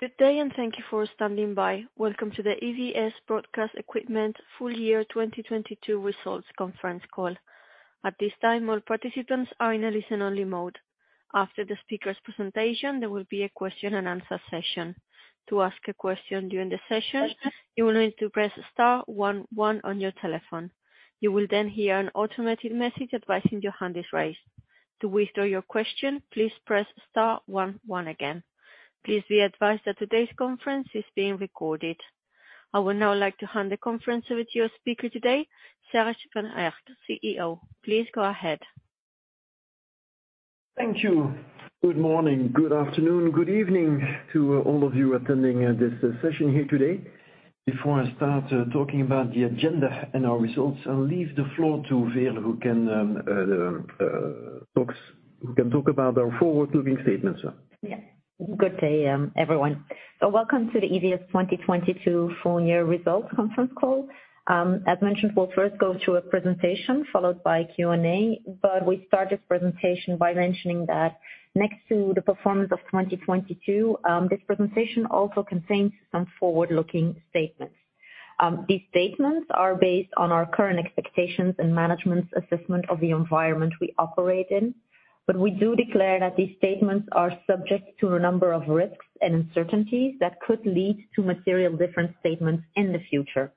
Good day, and thank you for standing by. Welcome to the EVS Broadcast Equipment full year 2022 results conference call. At this time, all participants are in a listen-only mode. After the speaker's presentation, there will be a question and answer session. To ask a question during the session, you will need to press star one one on your telephone. You will then hear an automated message advising your hand is raised. To withdraw your question, please press star one one again. Please be advised that today's conference is being recorded. I would now like to hand the conference over to your speaker today, Serge Van Herck, CEO. Please go ahead. Thank you. Good morning, good afternoon, good evening to all of you attending, this session here today. Before I start talking about the agenda and our results, I'll leave the floor to Veerle, who can talk about our forward-looking statements. Good day, everyone. Welcome to the EVS 2022 full year results conference call. As mentioned, we'll first go through a presentation followed by Q&A. We start this presentation by mentioning that next to the performance of 2022, this presentation also contains some forward-looking statements. These statements are based on our current expectations and management's assessment of the environment we operate in. We do declare that these statements are subject to a number of risks and uncertainties that could lead to material different statements in the future.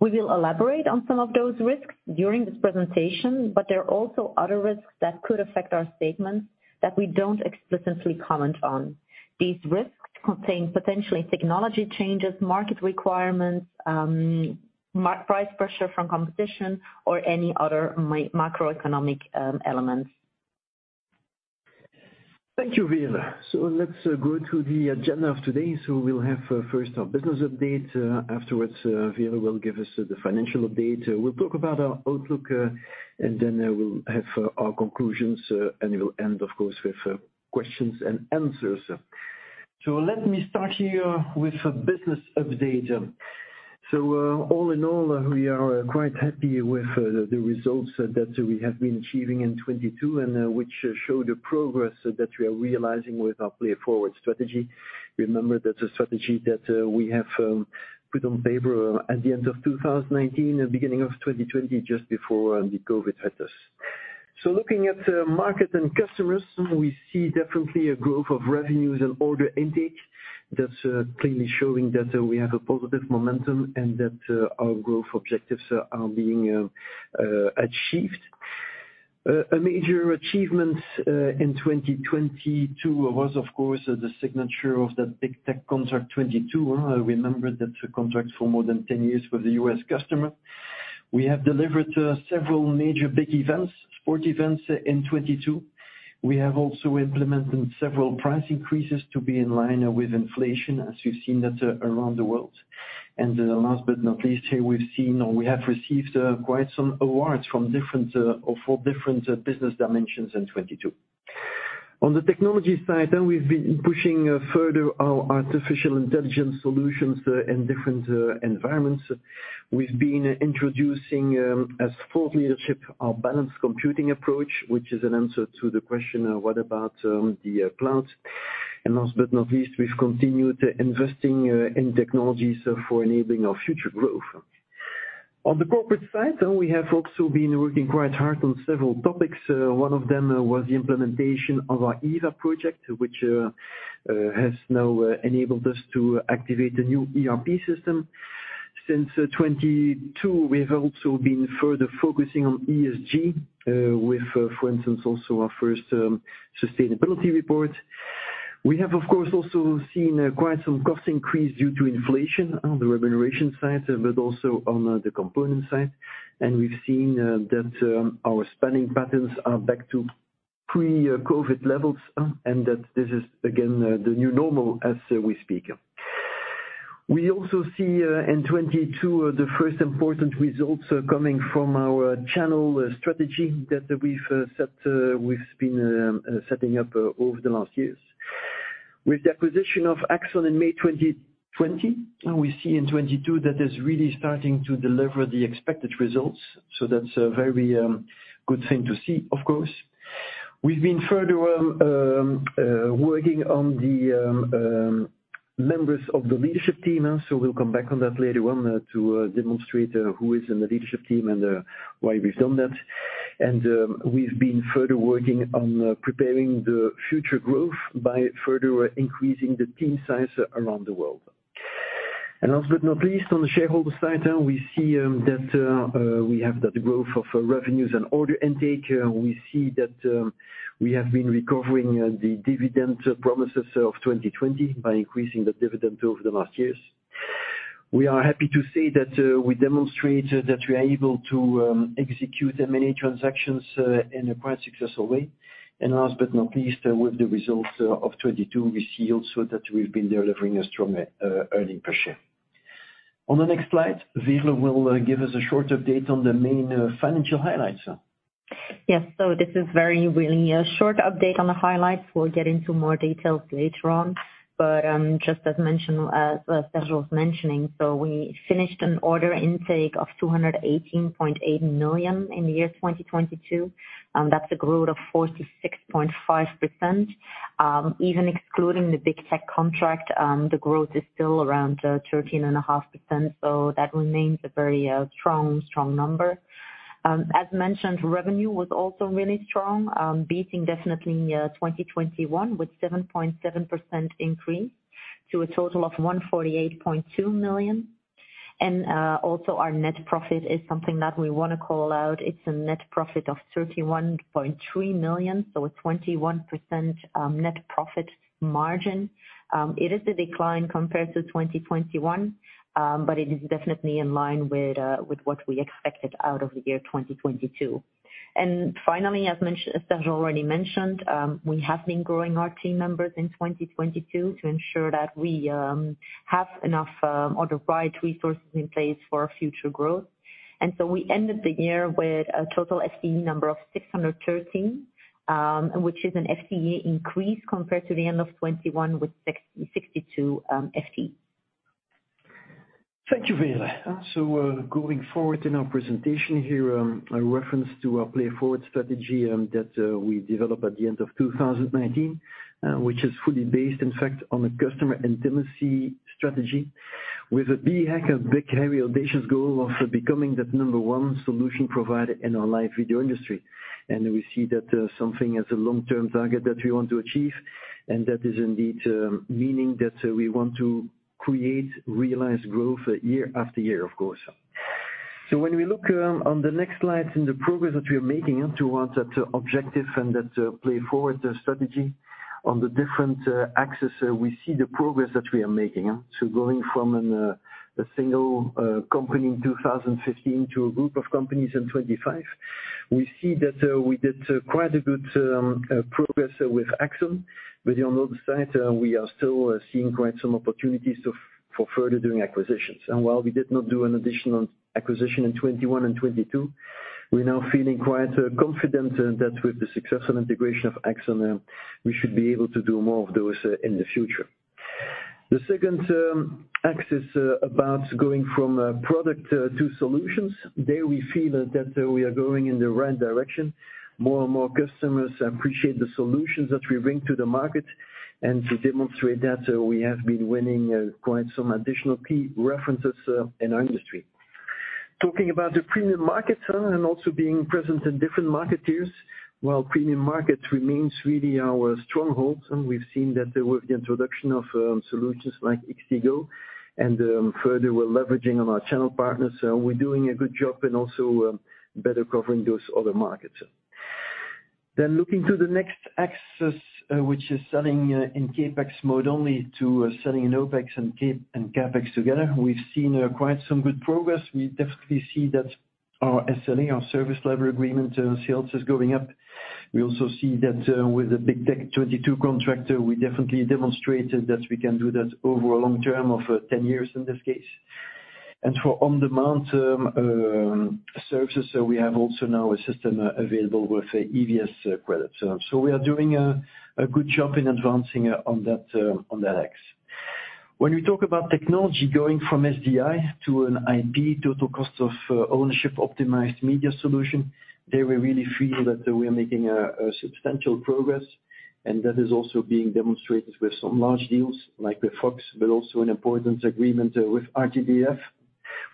We will elaborate on some of those risks during this presentation, but there are also other risks that could affect our statements that we don't explicitly comment on. These risks contain potentially technology changes, market requirements, price pressure from competition, or any other macroeconomic elements. Thank you, Veerle. Let's go to the agenda of today. We'll have first our business update. Afterwards, Veerle will give us the financial update. We'll talk about our outlook, and then we'll have our conclusions, and we'll end, of course, with questions and answers. Let me start here with a business update. All in all, we are quite happy with the results that we have been achieving in 2022 and which show the progress that we are realizing with our PLAYForward strategy. Remember that's a strategy that we have put on paper at the end of 2019, beginning of 2020, just before the COVID hit us. Looking at market and customers, we see definitely a growth of revenues and order intake that's clearly showing that we have a positive momentum and that our growth objectives are being achieved. A major achievement in 2022 was, of course, the signature of that Big Tech Contract 2022. Remember that's a contract for more than 10 years with the US customer. We have delivered several major big events, sport events in 2022. We have also implemented several price increases to be in line with inflation as you've seen that around the world. Last but not least, we've seen or we have received quite some awards from different or for different business dimensions in 2022. On the technology side, we've been pushing further our artificial intelligence solutions in different environments. We've been introducing, as thought leadership our Balanced Computing approach, which is an answer to the question, what about the cloud? Last but not least, we've continued investing in technologies for enabling our future growth. On the corporate side, we have also been working quite hard on several topics. One of them was the implementation of our EVA project, which has now enabled us to activate a new ERP system. Since 2022, we've also been further focusing on ESG, with, for instance, also our first sustainability report. We have, of course, also seen quite some cost increase due to inflation on the remuneration side, but also on the component side. We've seen that our spending patterns are back to pre-COVID levels, and that this is again the new normal as we speak. We also see in 22 the first important results coming from our channel strategy that we've set, we've been setting up over the last years. With the acquisition of Axon in May 2020, we see in 22 that is really starting to deliver the expected results. That's a very good thing to see, of course. We've been further working on the members of the leadership team. We'll come back on that later on to demonstrate who is in the leadership team and why we've done that. We've been further working on preparing the future growth by further increasing the team size around the world. Last but not least, on the shareholder side, we see that we have the growth of revenues and order intake. We see that we have been recovering the dividend promises of 2020 by increasing the dividend over the last years. We are happy to say that we demonstrated that we are able to execute M&A transactions in a quite successful way. Last but not least, with the results of 2022, we see also that we've been delivering a strong earning per share. On the next slide, Veerle will give us a short update on the main financial highlights. Yes. This is very really a short update on the highlights. We'll get into more details later on. Just as mentioned, as Serge was mentioning, we finished an order intake of 218.8 million in the year 2022. That's a growth of 46.5%. Even excluding the Big Tech Contract, the growth is still around 13.5%, that remains a very strong number. As mentioned, revenue was also really strong, beating definitely 2021 with 7.7% increase to a total of 148.2 million. Also our net profit is something that we wanna call out. It's a net profit of 31.3 million, a 21% net profit margin. It is a decline compared to 2021, but it is definitely in line with what we expected out of the year 2022. Finally, as Serge already mentioned, we have been growing our team members in 2022 to ensure that we have enough or the right resources in place for our future growth. We ended the year with a total FTE number of 613, which is an FTE increase compared to the end of 2021 with 662 FTE. Thank you, Veerle. Going forward in our presentation here, a reference to our PLAYForward strategy, that we developed at the end of 2019, which is fully based, in fact, on a customer intimacy strategy with a big hairy audacious goal of becoming the number one solution provider in our live video industry. We see that something as a long-term target that we want to achieve, and that is indeed, meaning that we want to create realized growth year after year, of course. When we look on the next slide in the progress that we are making towards that objective and that PLAYForward strategy, on the different axes, we see the progress that we are making. Going from a single company in 2015 to a group of companies in 25. We see that we did quite a good progress with Axon. On the other side, we are still seeing quite some opportunities for further doing acquisitions. While we did not do an additional acquisition in 21 and 22, we're now feeling quite confident that with the successful integration of Axon, we should be able to do more of those in the future. The second axis about going from product to solutions. There, we feel that we are going in the right direction. More and more customers appreciate the solutions that we bring to the market. To demonstrate that, we have been winning quite some additional key references in our industry. Talking about the premium markets, and also being present in different market tiers, while premium markets remains really our strongholds, and we've seen that there with the introduction of solutions like XT-GO, and further we're leveraging on our channel partners. We're doing a good job in also better covering those other markets. Looking to the next axis, which is selling in CapEx mode only to selling in OpEx and CapEx together. We've seen quite some good progress. We definitely see that our SLA, our service level agreement, sales is going up. We also see that with the Big Tech Contract 2022, we definitely demonstrated that we can do that over a long term of 10 years in this case. For on-demand services, we have also now a system available with EVS Credits. We are doing a good job in advancing on that axis. When we talk about technology going from SDI to an IP total cost of ownership optimized media solution, there we really feel that we are making a substantial progress, and that is also being demonstrated with some large deals like with Fox, but also an important agreement with RTBF,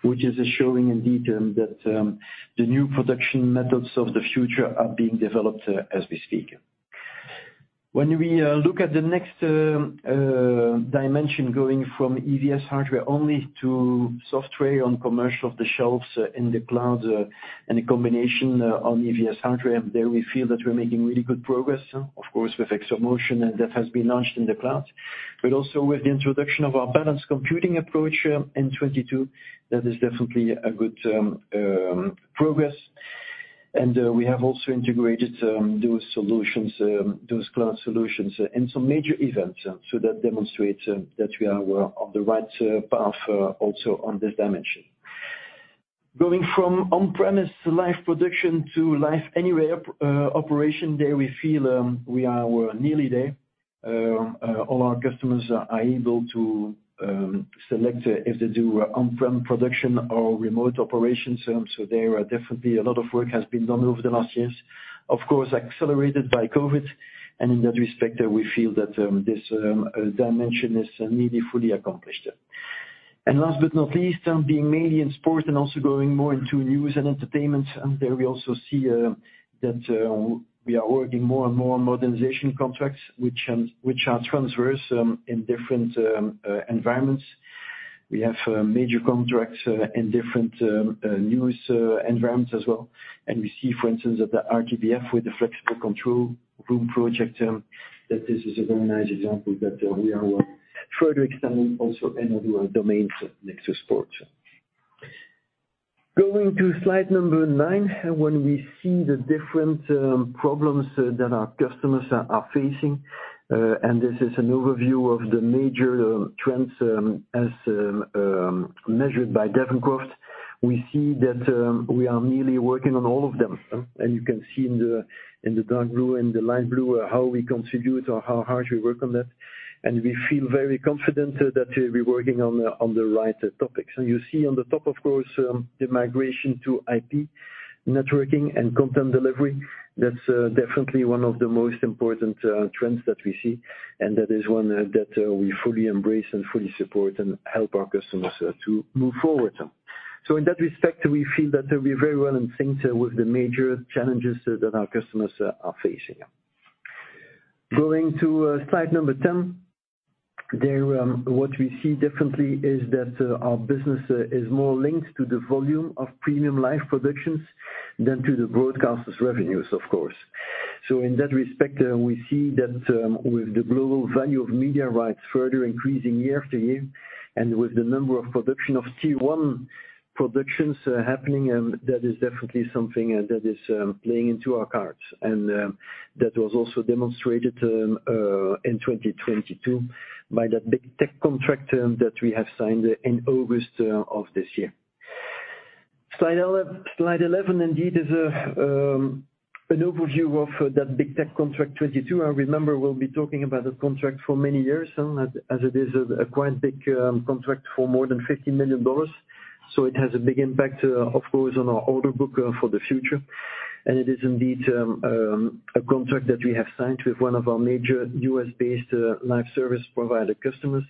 which is showing indeed that the new production methods of the future are being developed as we speak. When we look at the next dimension going from EVS hardware only to software on commercial of the shelves in the cloud, and a combination on EVS hardware, there we feel that we're making really good progress, of course with XtraMotion, and that has been launched in the cloud. Also with the introduction of our Balanced Computing approach in 22, that is definitely a good progress. We have also integrated those solutions, those cloud solutions in some major events. That demonstrates that we are on the right path also on this dimension. Going from on-premise live production to live anywhere operation, there we feel we are, we're nearly there. All our customers are able to select if they do on-prem production or remote operations. There are definitely a lot of work has been done over the last years, of course accelerated by COVID. In that respect, we feel that this dimension is nearly fully accomplished. Last but not least, being mainly in sport and also going more into news and entertainment, and there we also see that we are working more and more on modernization contracts which can, which are transverse in different environments. We have major contracts in different news environments as well. We see, for instance, at the RTBF with the flexible control room project, that this is a very nice example that we are further extending also into other domains next to sports. Going to slide number nine, when we see the different problems that our customers are facing, this is an overview of the major trends as measured by Devoncroft. We see that we are merely working on all of them, and you can see in the dark blue and the light blue how we contribute or how hard we work on that. We feel very confident that we're working on the right topics. You see on the top, of course, the migration to IP networking and content delivery. That's definitely one of the most important trends that we see, and that is one that we fully embrace and fully support and help our customers to move forward. In that respect, we feel that we're very well in sync with the major challenges that our customers are facing. Going to slide number 10. There, what we see differently is that our business is more linked to the volume of premium live productions than to the broadcaster's revenues, of course. In that respect, we see that, with the global value of media rights further increasing year after year, and with the number of production of Tier one productions happening, that is definitely something that is playing into our cards. That was also demonstrated in 2022 by that Big Tech Contract that we have signed in August of this year. Slide 11 indeed is an overview of that Big Tech Contract 2022. I remember we'll be talking about the contract for many years as it is a quite big, contract for more than $50 million. It has a big impact, of course, on our order book for the future. It is indeed a contract that we have signed with one of our major U.S.-based Live Service Provider customers.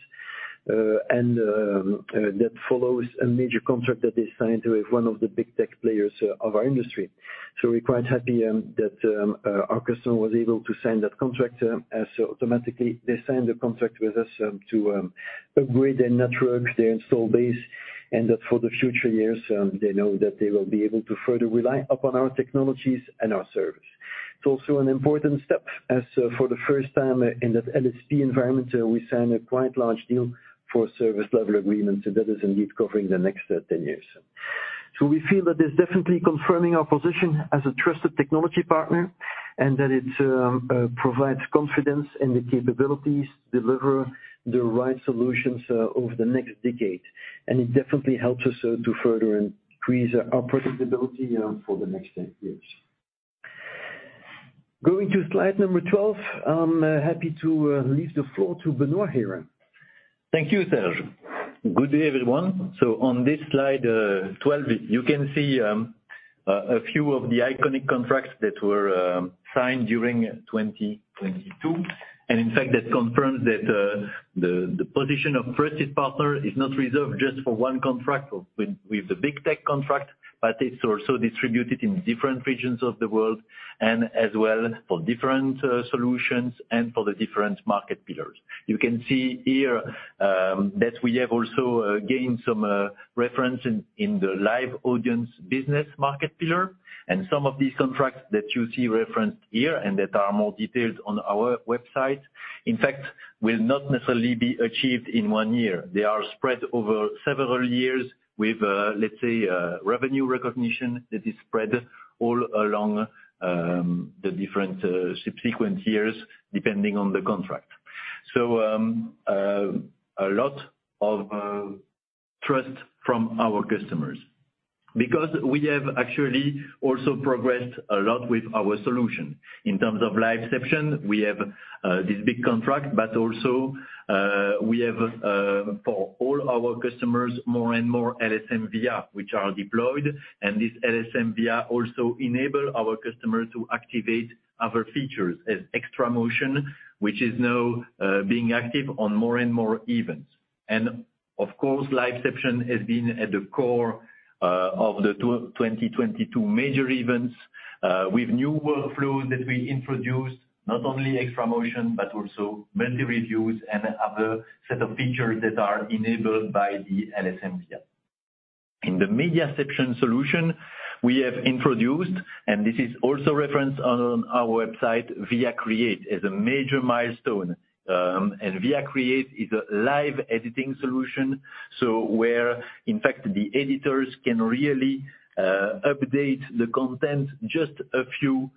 That follows a major contract that they signed with one of the big tech players of our industry. We're quite happy that our customer was able to sign that contract as automatically they signed a contract with us to upgrade their network, their install base, and that for the future years, they know that they will be able to further rely upon our technologies and our service. It's also an important step as for the first time in that LSP environment, we sign a quite large deal for service level agreements, that is indeed covering the next 10 years. We feel that it's definitely confirming our position as a trusted technology partner, and that it provides confidence in the capabilities to deliver the right solutions over the next decade. It definitely helps us to further increase our predictability for the next 10 years. Going to slide number 12, I'm happy to leave the floor to Benoit here. Thank you, Serge. Good day, everyone. On this slide, 12, you can see a few of the iconic contracts that were signed during 2022. In fact, that confirms that the position of trusted partner is not reserved just for 1 contract with the Big Tech Contract, but it's also distributed in different regions of the world and as well for different solutions and for the different market pillars. You can see here that we have also gained some reference in the live audience business market pillar. Some of these contracts that you see referenced here and that are more detailed on our website, in fact, will not necessarily be achieved in one year. They are spread over several years with, let's say, a revenue recognition that is spread all along the different subsequent years, depending on the contract. A lot of trust from our customers. We have actually also progressed a lot with our solution. In terms of LiveCeption, we have this big contract, but also, we have for all our customers, more and more LSM VR which are deployed. This LSM VR also enable our customers to activate other features as XtraMotion, which is now being active on more and more events. Of course, LiveCeption has been at the core of the 2022 major events, with new workflows that we introduced, not only XtraMotion, but also multi reviews and other set of features that are enabled by the LSM VR. In the MediaCeption solution we have introduced, and this is also referenced on our website, VIA Create as a major milestone. VIA Create is a live editing solution. Where in fact, the editors can really update the content just a few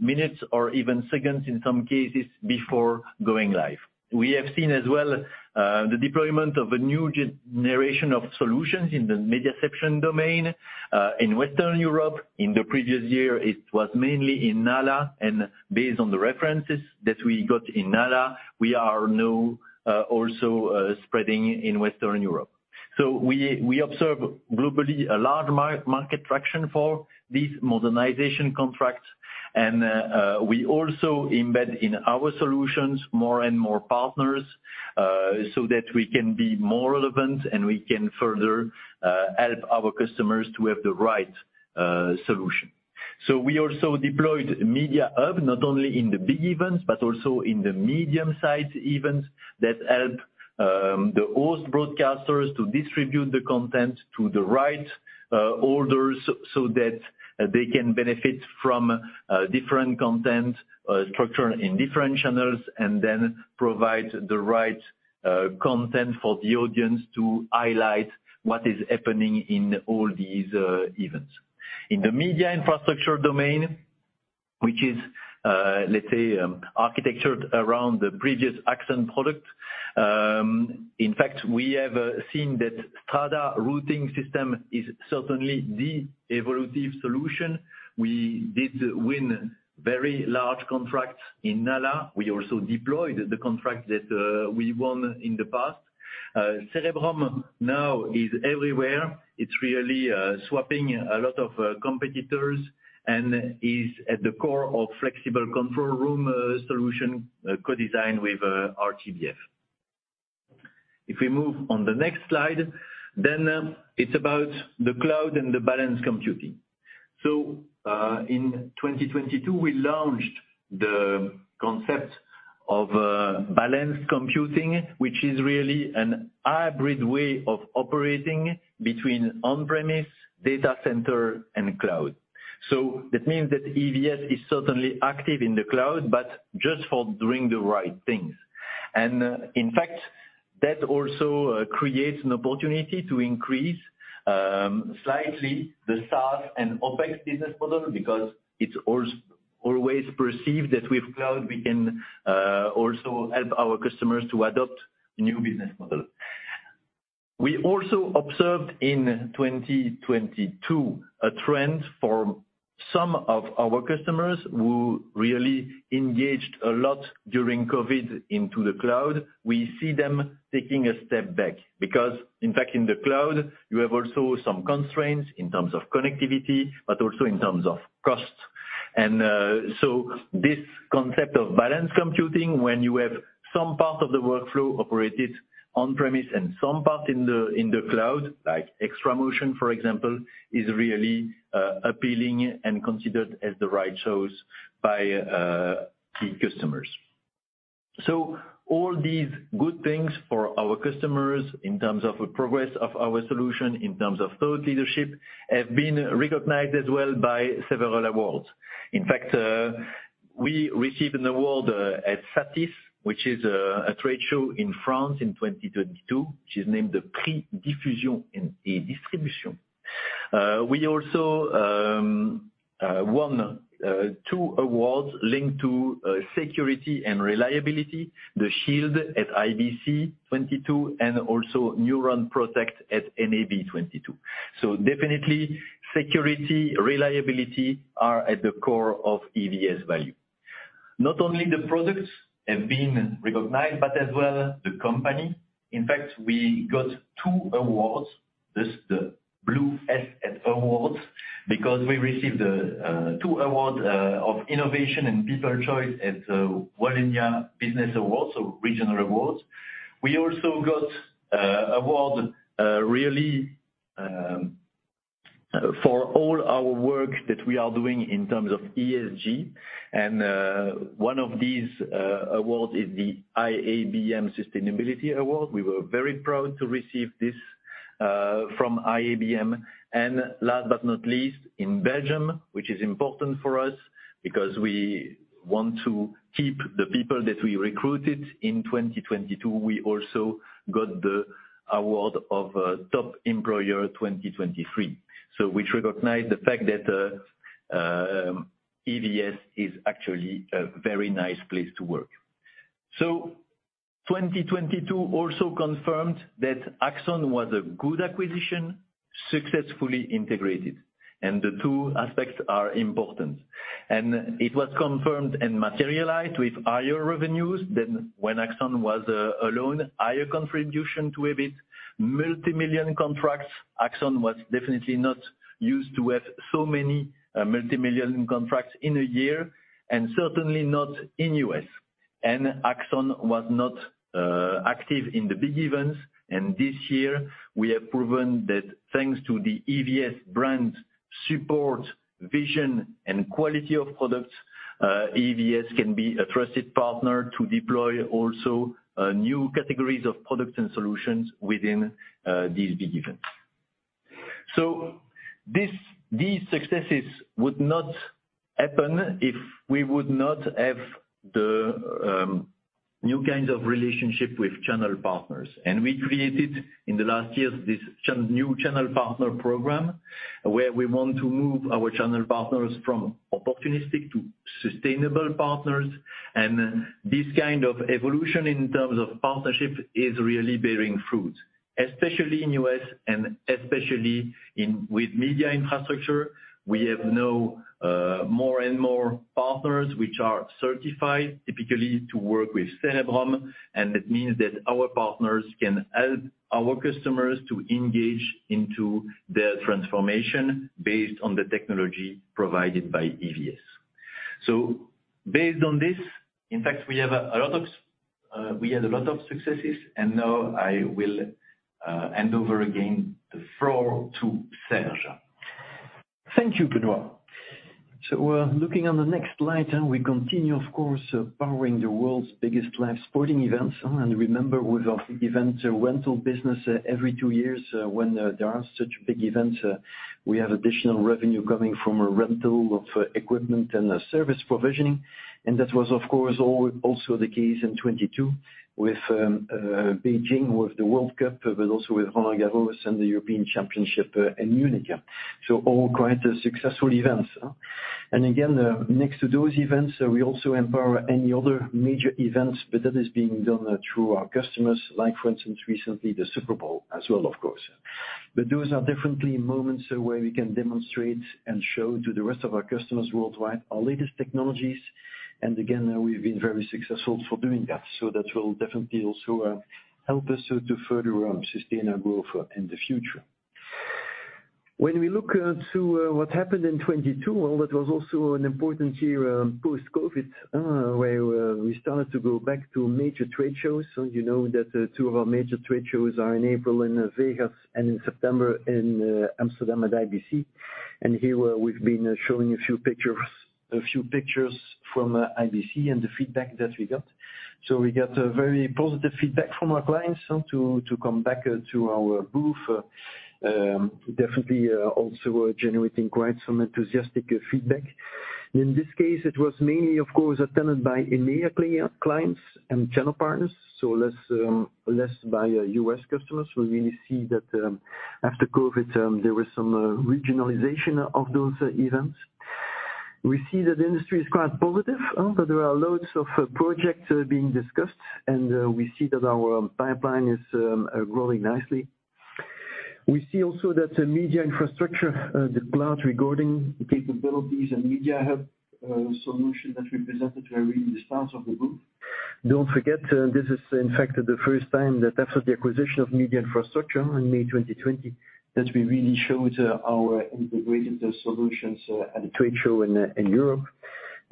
minutes or even seconds in some cases before going live. We have seen as well the deployment of a new generation of solutions in the MediaCeption domain in Western Europe. In the previous year, it was mainly in NALA. Based on the references that we got in NALA, we are now also spreading in Western Europe. We observe globally a large market traction for these modernization contracts. We also embed in our solutions more and more partners so that we can be more relevant and we can further help our customers to have the right solution. We also deployed MediaHub, not only in the big events, but also in the medium-sized events that help the host broadcasters to distribute the content to the right orders so that they can benefit from different content structured in different channels, and then provide the right content for the audience to highlight what is happening in all these events. In the media infrastructure domain. Which is, let's say, architectured around the previous Axon product. In fact, we have seen that Strada routing system is certainly the evolutive solution. We did win very large contracts in Nala. We also deployed the contract that we won in the past. Cerebrum now is everywhere. It's really swapping a lot of competitors and is at the core of flexible control room solution co-designed with RTBF. If we move on the next slide, it's about the cloud and the Balanced Computing. In 2022, we launched the concept of Balanced Computing, which is really an hybrid way of operating between on-premise data center and cloud. That means that EVS is certainly active in the cloud, but just for doing the right things. In fact, that also creates an opportunity to increase slightly the SaaS and OpEx business model because it's always perceived that with cloud we can also help our customers to adopt new business model. We also observed in 2022 a trend for some of our customers who really engaged a lot during COVID into the cloud. We see them taking a step back because, in fact, in the cloud, you have also some constraints in terms of connectivity, but also in terms of cost. This concept of Balanced Computing, when you have some part of the workflow operated on-premise and some part in the, in the cloud, like XtraMotion, for example, is really appealing and considered as the right choice by key customers. All these good things for our customers in terms of progress of our solution, in terms of thought leadership, have been recognized as well by several awards. In fact, we received an award at SATIS, which is a trade show in France in 2022, which is named the Prix Diffusion et Distribution. We also won two awards linked to security and reliability, the Shield at IBC 22 and also Neuron Protect at NAB 22. Definitely security, reliability are at the core of EVS value. Not only the products have been recognized, but as well the company. In fact, we got two awards, this the Blue S Awards, because we received two award of innovation and people choice at Wallonia Business Awards, so regional awards. We also got award really for all our work that we are doing in terms of ESG, and one of these awards is the IABM Sustainability Award. We were very proud to receive this from IABM. Last but not least, in Belgium, which is important for us because we want to keep the people that we recruited in 2022, we also got the award of Top Employer 2023. Which recognize the fact that EVS is actually a very nice place to work. 2022 also confirmed that Axon was a good acquisition, successfully integrated, and the two aspects are important. It was confirmed and materialized with higher revenues than when Axon was alone, higher contribution to EBITDA, multimillion contracts. Axon was definitely not used to have so many multimillion contracts in a year and certainly not in U.S. Axon was not active in the big events. This year, we have proven that thanks to the EVS brand support, vision and quality of products, EVS can be a trusted partner to deploy also new categories of products and solutions within these big events. These successes would not happen if we would not have the new kinds of relationship with channel partners. We created in the last years this new channel partner program, where we want to move our channel partners from opportunistic to sustainable partners. This kind of evolution in terms of partnership is really bearing fruit, especially in U.S. and especially in with media infrastructure. We have now more and more partners which are certified typically to work with Cerebrum, and that means that our partners can help our customers to engage into their transformation based on the technology provided by EVS. Based on this, in fact, we have a lot of, we had a lot of successes, and now I will hand over again the floor to Serge. Thank you, Benoit. Looking on the next slide, we continue, of course, powering the world's biggest live sporting events. Remember with our event rental business every two years, when there are such big events, we have additional revenue coming from a rental of equipment and service provisioning. That was of course, also the case in 22 with Beijing, with the World Cup, but also with Roland-Garros and the European Championship in Munich. All quite successful events. Again, next to those events, we also empower any other major events, but that is being done through our customers like for instance, recently, the Super Bowl as well, of course. Those are definitely moments where we can demonstrate and show to the rest of our customers worldwide our latest technologies. Again, we've been very successful for doing that. That will definitely also help us so to further sustain our growth in the future. When we look onto what happened in 22, well, that was also an important year post-COVID, where we started to go back to major trade shows. You know that two of our major trade shows are in April in Vegas and in September in Amsterdam at IBC. Here we've been showing a few pictures from IBC and the feedback that we got. We got a very positive feedback from our clients, to come back to our booth. Definitely also generating quite some enthusiastic feedback. In this case, it was mainly, of course, attended by EMEIA clients and channel partners, less by U.S. customers. We really see that after COVID, there was some regionalization of those events. We see that the industry is quite positive, that there are loads of projects being discussed, and we see that our pipeline is growing nicely. We see also that the media infrastructure, the cloud regarding the capabilities and MediaHub solution that we presented were really the stars of the booth. Don't forget, this is in fact the first time that after the acquisition of Media Infrastructure in May 2020 that we really showed our integrated solutions at a trade show in Europe.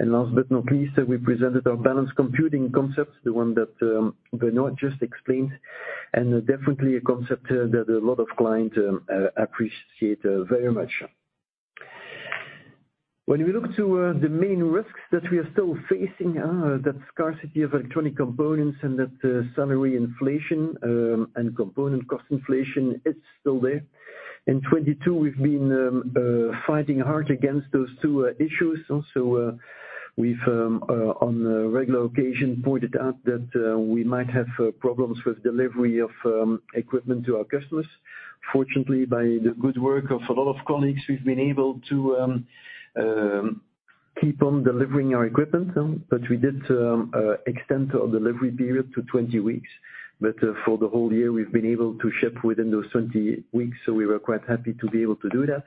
Last but not least, we presented our Balanced Computing concepts, the one that Bernard just explained, and definitely a concept that a lot of clients appreciate very much. When we look to the main risks that we are still facing, that scarcity of electronic components and that salary inflation, and component cost inflation, it's still there. In 2022, we've been fighting hard against those two issues. We've on a regular occasion pointed out that we might have problems with delivery of equipment to our customers. Fortunately, by the good work of a lot of colleagues, we've been able to keep on delivering our equipment, but we did extend our delivery period to 20 weeks. For the whole year, we've been able to ship within those 20 weeks, so we were quite happy to be able to do that.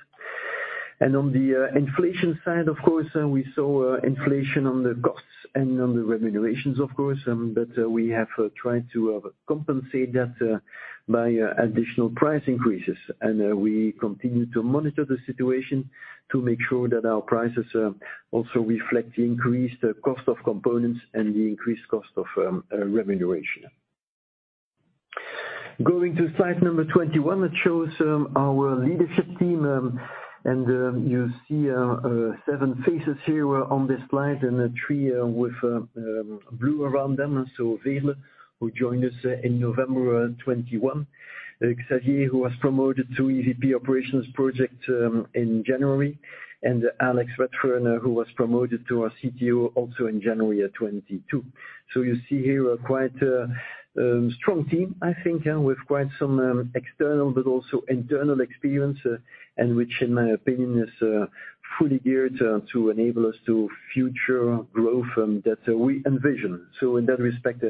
On the inflation side, of course, we saw inflation on the costs and on the remunerations, of course, but we have tried to compensate that by additional price increases. We continue to monitor the situation to make sure that our prices also reflect the increased cost of components and the increased cost of remuneration. Going to slide number 21, it shows our leadership team, and you see seven faces here on this slide and three with blue around them. Veerle, who joined us in November of 2021, Xavier, who was promoted to EVP Operations Project, in January, and Alex Redfern, who was promoted to our CTO also in January of 2022. You see here a quite strong team, I think, with quite some external but also internal experience, and which in my opinion is fully geared to enable us to future growth that we envision. In that respect,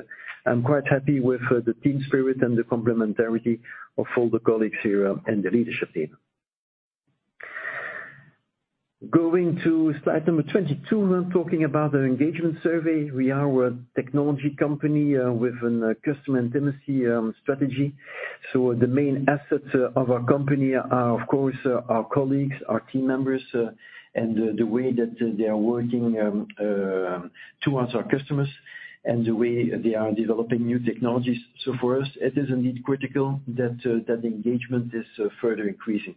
I'm quite happy with the team spirit and the complementarity of all the colleagues here and the leadership team. Going to slide number 22, talking about our engagement survey. We are a technology company with a customer intimacy strategy. The main assets of our company are, of course, our colleagues, our team members, and the way that they are working towards our customers and the way they are developing new technologies. For us, it is indeed critical that engagement is further increasing.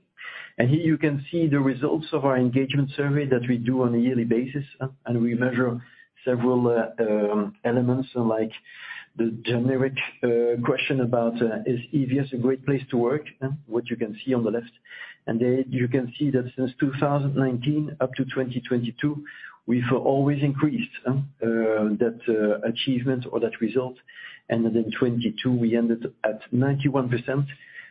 Here you can see the results of our engagement survey that we do on a yearly basis, and we measure several elements like the generic question about is EVS a great place to work, which you can see on the left. There you can see that since 2019 up to 2022, we've always increased that achievement or that result. In 2022, we ended at 91%,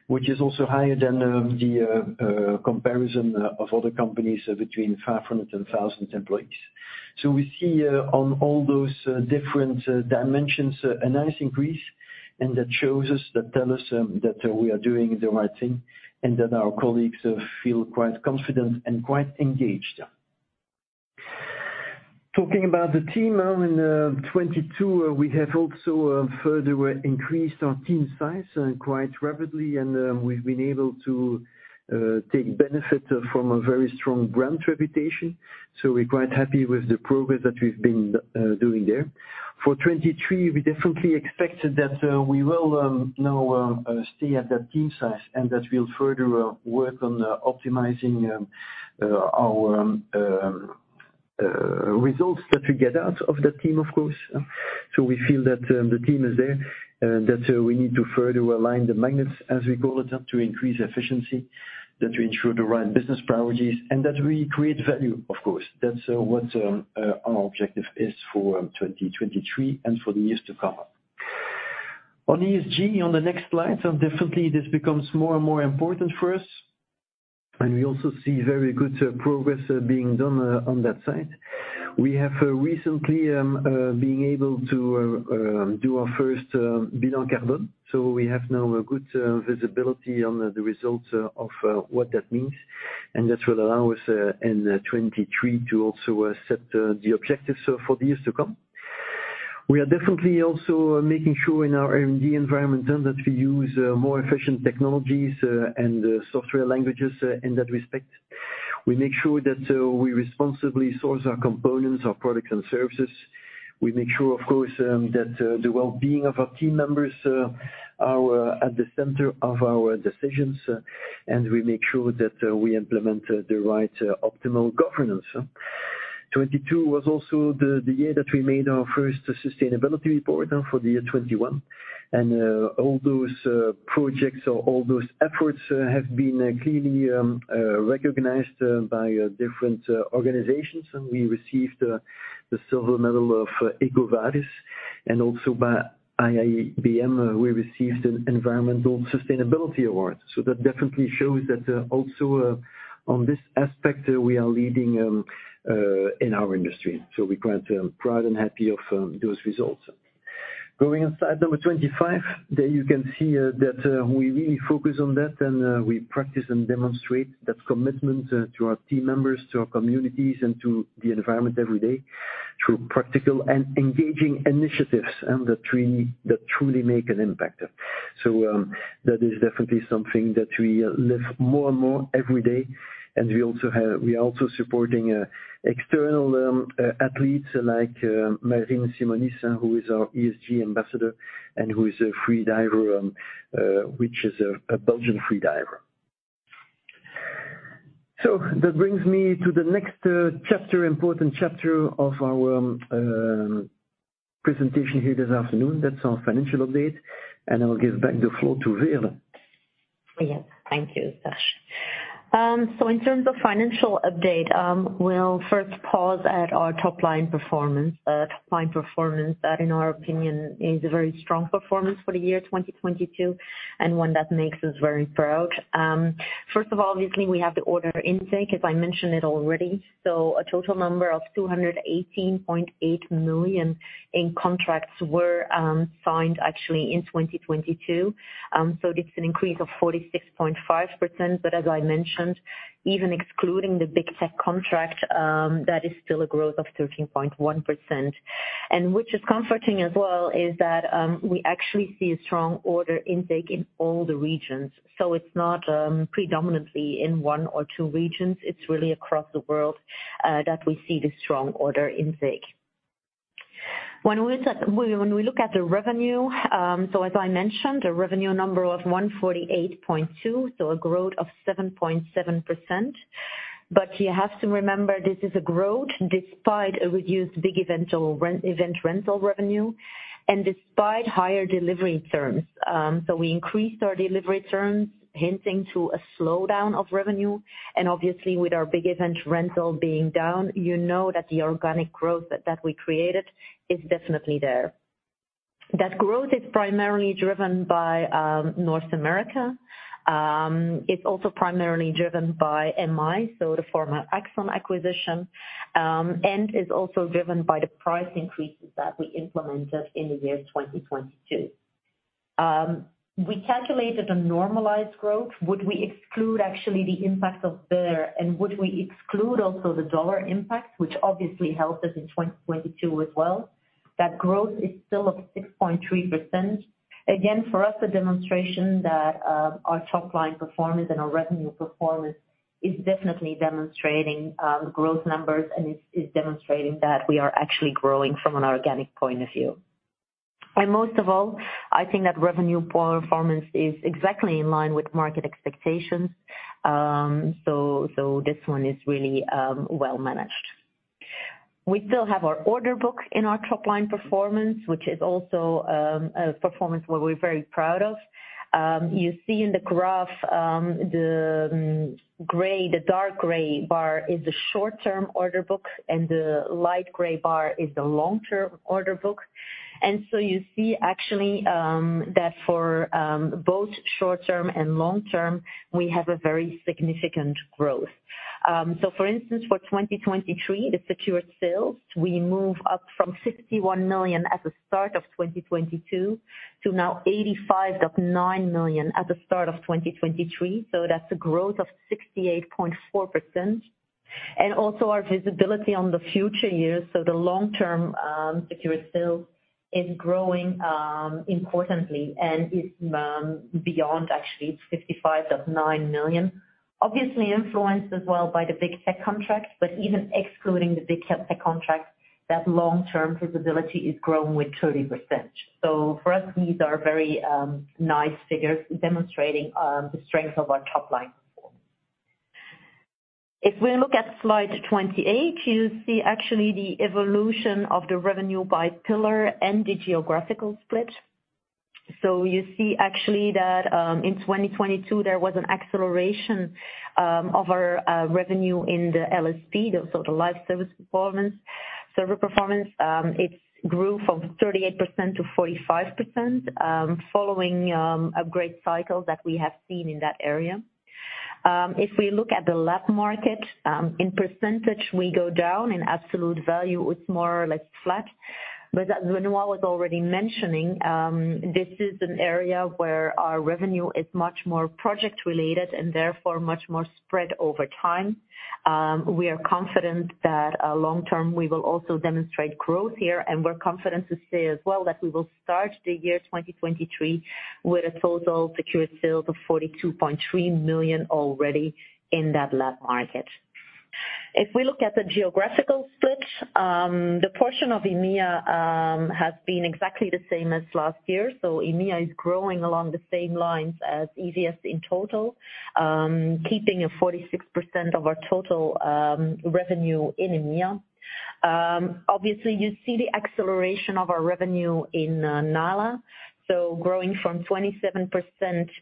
which is also higher than the comparison of other companies between 500 and 1,000 employees. We see on all those different dimensions, a nice increase, and that shows us, that tell us that we are doing the right thing and that our colleagues feel quite confident and quite engaged. Talking about the team, in 2022, we have also further increased our team size quite rapidly, and we've been able to take benefit from a very strong brand reputation. So we're quite happy with the progress that we've been doing there. For 2023, we definitely expect that we will now stay at that team size and that we'll further work on optimizing our results that we get out of the team, of course. So we feel that the team is there, that we need to further align the magnets, as we call it, to increase efficiency, that we ensure the right business priorities, and that we create value, of course. That's what our objective is for 2023 and for the years to come. On ESG, on the next slide, definitely this becomes more and more important for us, and we also see very good progress being done on that side. We have recently being able to do our first. We have now a good visibility on the results of what that means, and that will allow us in 23 to also accept the objectives for the years to come. We are definitely also making sure in our R&D environment term that we use more efficient technologies and software languages in that respect. We make sure that we responsibly source our components, our products and services. We make sure, of course, that the well-being of our team members are at the center of our decisions, and we make sure that we implement the right optimal governance. 2022 was also the year that we made our first sustainability report for the year 2021. All those projects or all those efforts have been clearly recognized by different organizations. We received the Silver Medal of EcoVadis and also by IABM, we received an Environmental Sustainability Award. That definitely shows that also on this aspect, we are leading in our industry. We're quite proud and happy of those results. Going on slide number 25, there you can see that we really focus on that, and we practice and demonstrate that commitment to our team members, to our communities, and to the environment every day through practical and engaging initiatives that truly make an impact. That is definitely something that we live more and more every day. We are also supporting external athletes like Marine Simonis, who is our ESG ambassador and who is a free diver, which is a Belgian free diver. That brings me to the next chapter, important chapter of our presentation here this afternoon. That's our financial update. I will give back the floor to Veerle. Yes. Thank you, Serge. In terms of financial update, we'll first pause at our top line performance. Top line performance that in our opinion, is a very strong performance for the year 2022, and one that makes us very proud. First of all, obviously, we have the order intake, as I mentioned it already. A total number of 218.8 million in contracts were signed actually in 2022. It's an increase of 46.5%. As I mentioned, even excluding the Big Tech Contract, that is still a growth of 13.1%. Which is comforting as well, is that we actually see a strong order intake in all the regions. It's not predominantly in one or two regions. It's really across the world that we see this strong order intake. When we look at the revenue, as I mentioned, a revenue number of 148.2, so a growth of 7.7%. You have to remember, this is a growth despite a reduced big event rental revenue and despite higher delivery terms. We increased our delivery terms, hinting to a slowdown of revenue. Obviously, with our big event rental being down, you know that the organic growth that we created is definitely there. That growth is primarily driven by North America. It's also primarily driven by MI, so the former Axon acquisition, and it's also driven by the price increases that we implemented in the year 2022. We calculated a normalized growth. Would we exclude actually the impact of there? Would we exclude also the dollar impact, which obviously helped us in 2022 as well? That growth is still up 6.3%. Again, for us, a demonstration that our top line performance and our revenue performance is definitely demonstrating growth numbers, and it's demonstrating that we are actually growing from an organic point of view. Most of all, I think that revenue performance is exactly in line with market expectations. So this one is really well managed. We still have our order book in our top line performance, which is also a performance where we're very proud of. You see in the graph, the gray, the dark gray bar is the short-term order book, and the light gray bar is the long-term order book. You see actually that for both short-term and long-term, we have a very significant growth. For instance, for 2023, the secured sales, we move up from 61 million at the start of 2022 to now 85.9 million at the start of 2023. That's a growth of 68.4%. Our visibility on the future years. The long-term secured sales is growing importantly, and it's beyond actually 55.9 million, obviously influenced as well by the Big Tech Contracts. Even excluding the Big Tech Contracts, that long-term visibility is growing with 30%. For us, these are very nice figures demonstrating the strength of our top line performance. If we look at slide 28, you see actually the evolution of the revenue by pillar and the geographical split. You see actually that, in 2022, there was an acceleration of our revenue in the LSP, the sort of Live Service Providers. Server performance, it grew from 38% to 45%, following upgrade cycles that we have seen in that area. If we look at the lab market, in percentage, we go down. In absolute value, it's more or less flat. As Benoit was already mentioning, this is an area where our revenue is much more project related and therefore much more spread over time. We are confident that long term, we will also demonstrate growth here, and we're confident to say as well that we will start the year 2023 with a total secured sales of 42.3 million already in that LAB market. If we look at the geographical split, the portion of EMEA has been exactly the same as last year. EMEA is growing along the same lines as EVS in total, keeping a 46% of our total revenue in EMEA. Obviously, you see the acceleration of our revenue in NALA, growing from 27%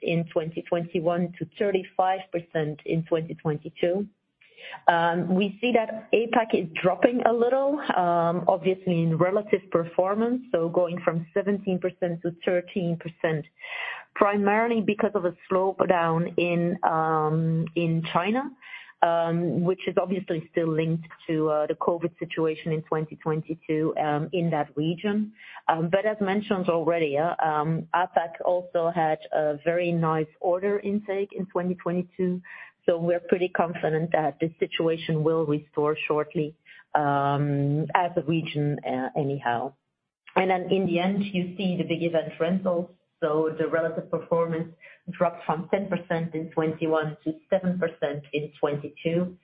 in 2021 to 35% in 2022. We see that APAC is dropping a little, obviously in relative performance, going from 17% to 13% primarily because of a slowdown in China, which is obviously still linked to the COVID situation in 2022 in that region. As mentioned already, APAC also had a very nice order intake in 2022, so we're pretty confident that this situation will restore shortly as a region anyhow. In the end, you see the big event rentals. The relative performance dropped from 10% in 2021 to 7% in 2022.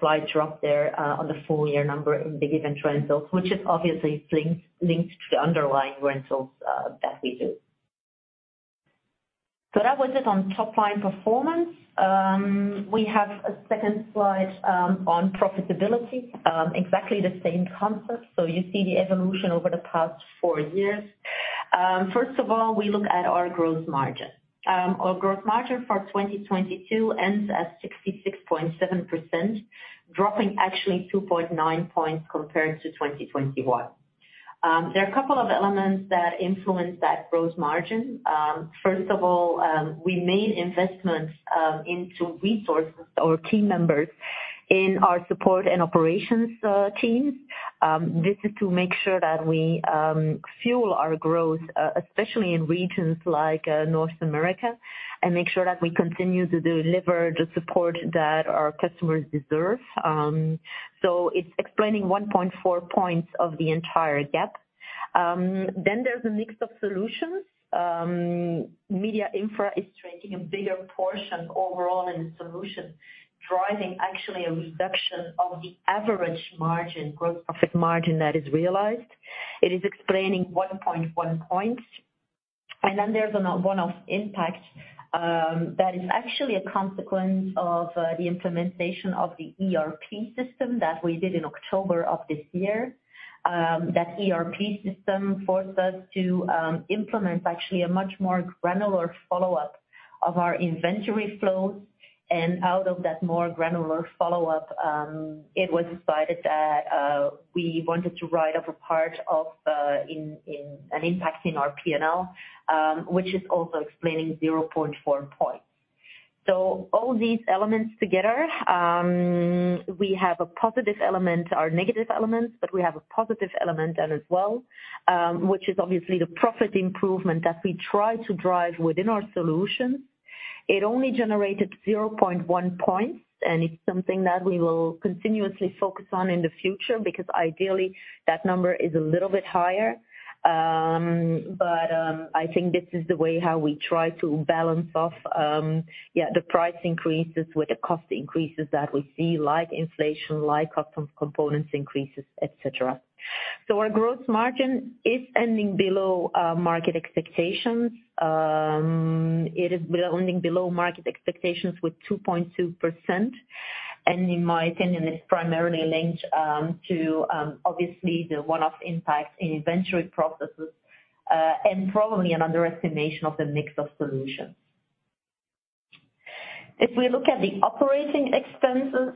Slight drop there on the full year number in big event rentals, which is obviously linked to the underlying rentals that we do. That was it on top line performance. We have a second slide on profitability, exactly the same concept. You see the evolution over the past four years. First of all, we look at our gross margin. Our gross margin for 2022 ends at 66.7%, dropping actually 2.9 points compared to 2021. There are a couple of elements that influence that gross margin. First of all, we made investments into resources or team members in our support and operations teams. This is to make sure that we fuel our growth, especially in regions like North America, and make sure that we continue to deliver the support that our customers deserve. It's explaining 1.4 points of the entire gap. There's a mix of solutions. Media infra is taking a bigger portion overall in the solution, driving actually a reduction of the average margin, growth profit margin that is realized. It is explaining 1.1 points. Then there's an one-off impact that is actually a consequence of the implementation of the ERP system that we did in October of this year. That ERP system forced us to implement actually a much more granular follow-up of our inventory flows. Out of that more granular follow-up, it was decided that we wanted to write off a part of an impact in our P&L, which is also explaining 0.4 points. All these elements together, we have a positive element or negative element, but we have a positive element there as well, which is obviously the profit improvement that we try to drive within our solutions. It only generated 0.1 points, and it's something that we will continuously focus on in the future because ideally, that number is a little bit higher. I think this is the way how we try to balance off, yeah, the price increases with the cost increases that we see, like inflation, like custom components increases, et cetera. Our gross margin is ending below, market expectations. It is ending below market expectations with 2.2%. In my opinion, it's primarily linked to obviously the one-off impact in inventory processes and probably an underestimation of the mix of solutions. If we look at the operating expenses,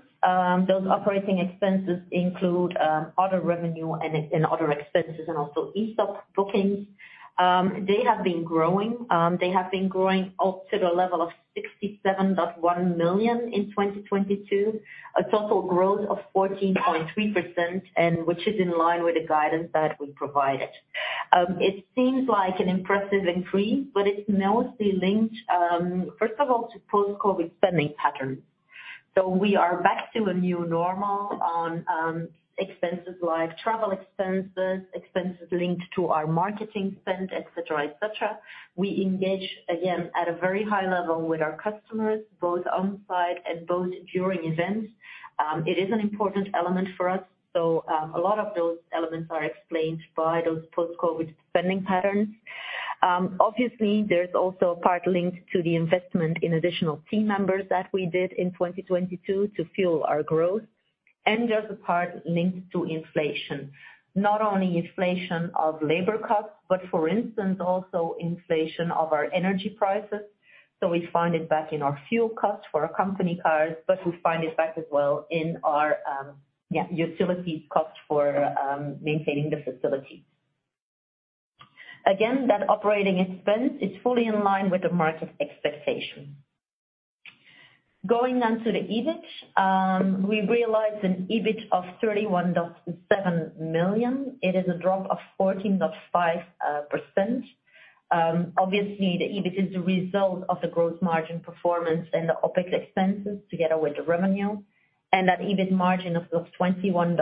those operating expenses include other revenue and other expenses and also ESOP bookings. They have been growing. They have been growing up to the level of 67.1 million in 2022, a total growth of 14.3%. Which is in line with the guidance that we provided. It seems like an impressive increase, but it's mostly linked, first of all, to post-COVID spending patterns. We are back to a new normal on expenses like travel expenses linked to our marketing spend, et cetera, et cetera. We engage, again, at a very high level with our customers, both on-site and both during events. It is an important element for us. A lot of those elements are explained by those post-COVID spending patterns. Obviously, there's also a part linked to the investment in additional team members that we did in 2022 to fuel our growth. There's a part linked to inflation, not only inflation of labor costs, but for instance, also inflation of our energy prices. We find it back in our fuel costs for our company cars, but we find it back as well in our, yeah, utility costs for maintaining the facilities. Again, that operating expense is fully in line with the market expectation. Going on to the EBITDA, we realized an EBITDA of 31.7 million. It is a drop of 14.5%. Obviously, the EBIT is the result of the growth margin performance and the OpEx expenses together with the revenue, and that EBITDA margin of 21.4%.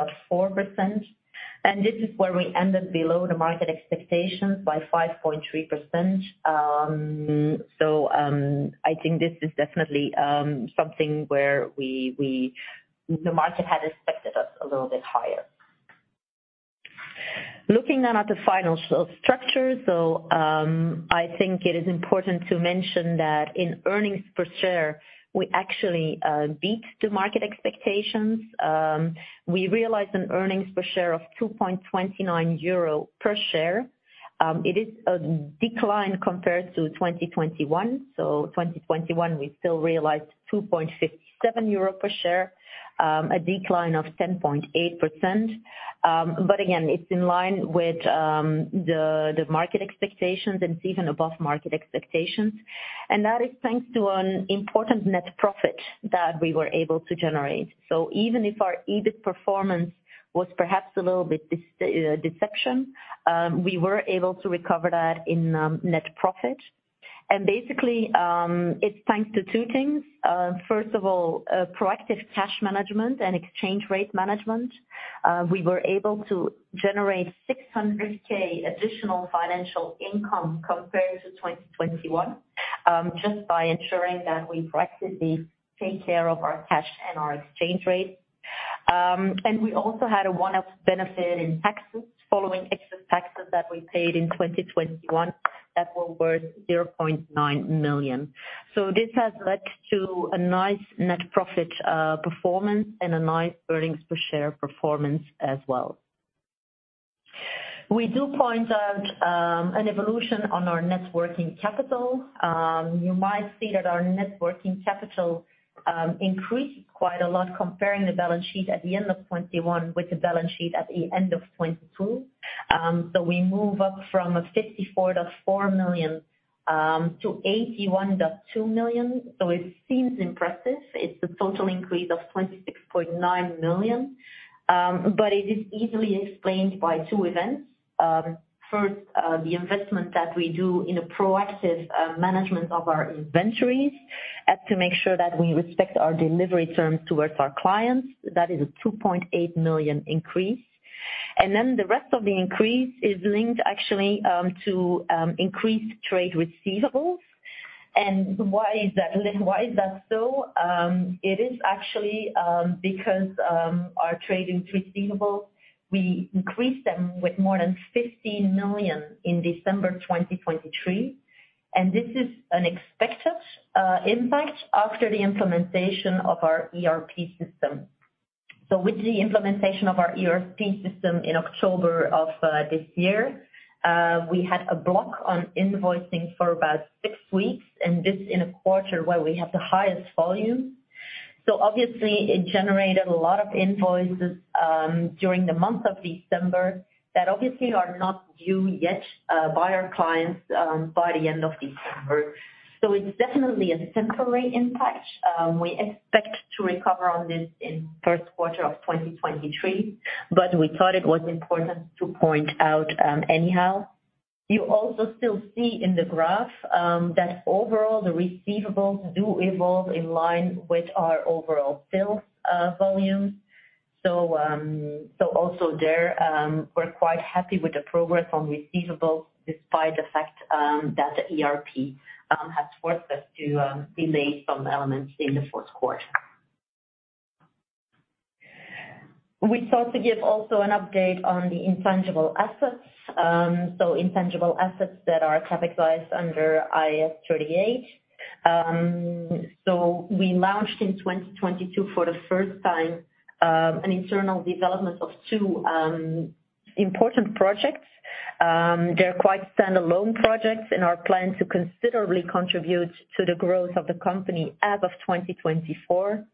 This is where we ended below the market expectations by 5.3%. I think this is definitely something where the market had expected us a little bit higher. Looking at the financial structure. I think it is important to mention that in earnings per share, we actually beat the market expectations. We realized an earnings per share of 2.29 euro per share. It is a decline compared to 2021. 2021, we still realized 2.57 euro per share, a decline of 10.8%. Again, it's in line with the market expectations, and it's even above market expectations. That is thanks to an important net profit that we were able to generate. Even if our EBITDA performance was perhaps a little bit deception, we were able to recover that in net profit. Basically, it's thanks to two things. First of all, proactive cash management and exchange rate management. We were able to generate 600K additional financial income compared to 2021, just by ensuring that we proactively take care of our cash and our exchange rate. We also had a one-off benefit in taxes following excess taxes that we paid in 2021 that were worth 0.9 million. This has led to a nice net profit performance and a nice earnings per share performance as well. We do point out an evolution on our net working capital. You might see that our net working capital increased quite a lot comparing the balance sheet at the end of 2021 with the balance sheet at the end of 2022. We move up from a 54.4 million to 81.2 million. It seems impressive. It's a total increase of 26.9 million, but it is easily explained by two events. First, the investment that we do in a proactive management of our inventories. That's to make sure that we respect our delivery terms towards our clients. That is a 2.8 million increase. The rest of the increase is linked actually to increased trade receivables. Why is that? Why is that so? It is actually because our trade in receivables, we increased them with more than 50 million in December 2023. This is an expected impact after the implementation of our ERP system. With the implementation of our ERP system in October of this year, we had a block on invoicing for about six weeks, and this in a quarter where we have the highest volume. Obviously it generated a lot of invoices during the month of December that obviously are not due yet by our clients by the end of December. It's definitely a temporary impact. We expect to recover on this in first quarter of 2023, but we thought it was important to point out anyhow. You also still see in the graph that overall the receivables do evolve in line with our overall sales volume. Also there, we're quite happy with the progress on receivables despite the fact that the ERP has forced us to delay some elements in the fourth quarter. We thought to give also an update on the intangible assets, so intangible assets that are categorized under IAS 38. We launched in 2022 for the first time an internal development of two important projects. They're quite stand-alone projects and are planned to considerably contribute to the growth of the company as of 2024.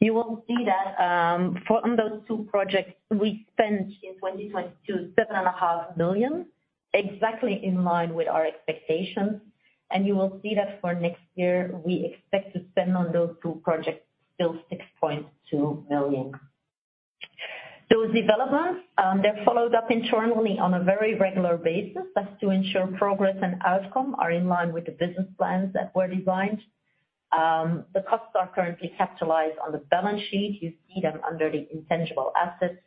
You will see that, on those two projects, we spent in 2022, seven and a half million, exactly in line with our expectations. You will see that for next year, we expect to spend on those two projects still 6.2 million. Those developments, they're followed up internally on a very regular basis. That's to ensure progress and outcome are in line with the business plans that were designed. The costs are currently capitalized on the balance sheet. You see them under the intangible assets.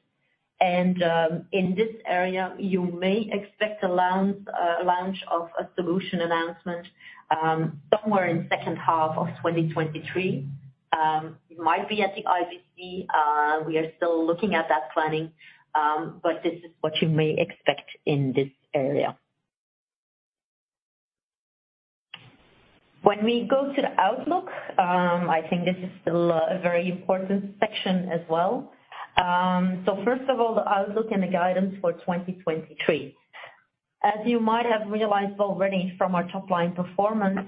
In this area, you may expect a launch of a solution announcement, somewhere in second half of 2023. It might be at the IBC. We are still looking at that planning, but this is what you may expect in this area. When we go to the outlook, I think this is still a very important section as well. First of all, the outlook and the guidance for 2023. As you might have realized already from our top-line performance,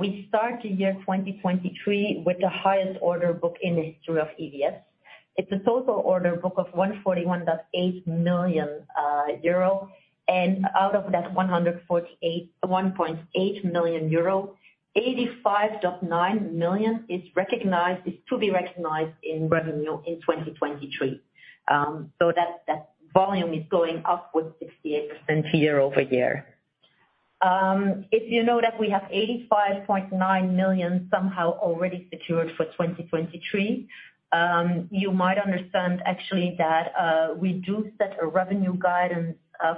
we start the year 2023 with the highest order book in the history of EVS. It's a total order book of 141.8 million euro. Out of that 1.8 million euro, 85.9 million is to be recognized in revenue in 2023. That volume is going up with 68% year-over-year. If you know that we have 85.9 million somehow already secured for 2023, you might understand actually that we do set a revenue guidance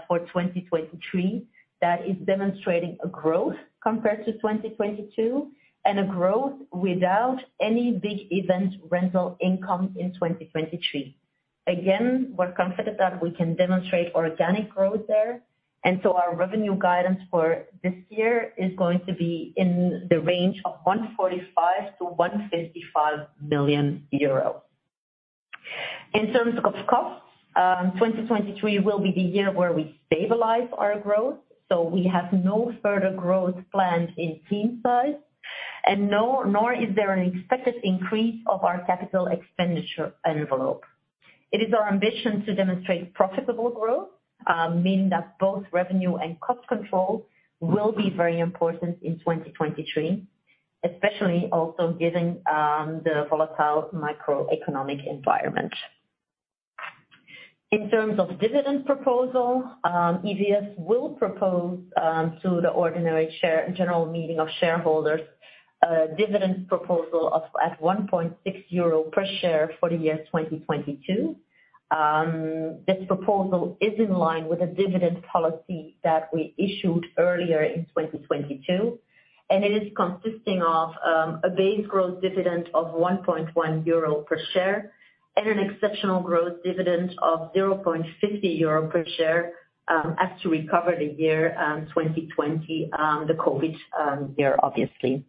for 2023 that is demonstrating a growth compared to 2022, and a growth without any big event rental income in 2023. Again, we're confident that we can demonstrate organic growth there, and so our revenue guidance for this year is going to be in the range of 145 million-155 million euro. In terms of costs, 2023 will be the year where we stabilize our growth, so we have no further growth planned in team size, nor is there an expected increase of our CapEx envelope. It is our ambition to demonstrate profitable growth, meaning that both revenue and cost control will be very important in 2023, especially also given the volatile macroeconomic environment. In terms of dividend proposal, EVS will propose to the ordinary general meeting of shareholders a dividend proposal of at 1.6 euro per share for the year 2022. This proposal is in line with the dividend policy that we issued earlier in 2022, and it is consisting of a base growth dividend of 1.1 euro per share, and an exceptional growth dividend of 0.50 euro per share, as to recover the year 2020, the COVID year, obviously.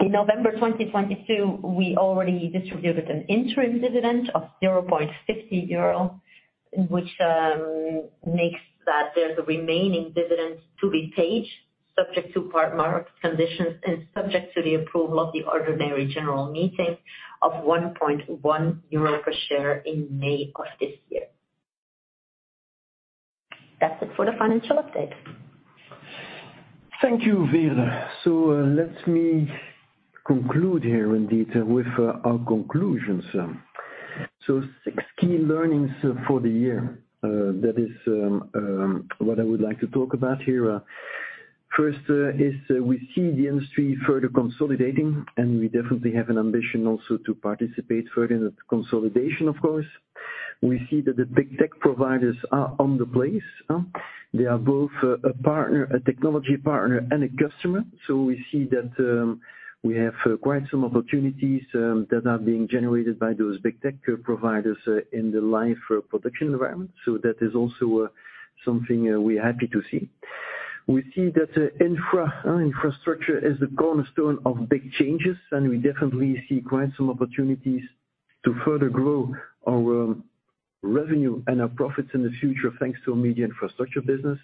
In November 2022, we already distributed an interim dividend of 0.50 euro, which makes that there's a remaining dividend to be paid subject to partner conditions and subject to the approval of the ordinary general meeting of 1.1 euro per share in May of this year. That's it for the financial update. Thank you, Veerle. Let me conclude here indeed with our conclusions. Six key learnings for the year, that is, what I would like to talk about here. First, is we see the industry further consolidating, and we definitely have an ambition also to participate further in that consolidation, of course. We see that the big tech providers are on the place, huh? They are both a partner, a technology partner, and a customer. We see that, we have quite some opportunities, that are being generated by those big tech providers in the live production environment. That is also, something we're happy to see. We see that infrastructure is the cornerstone of big changes. We definitely see quite some opportunities to further grow our revenue and our profits in the future, thanks to our media infrastructure business.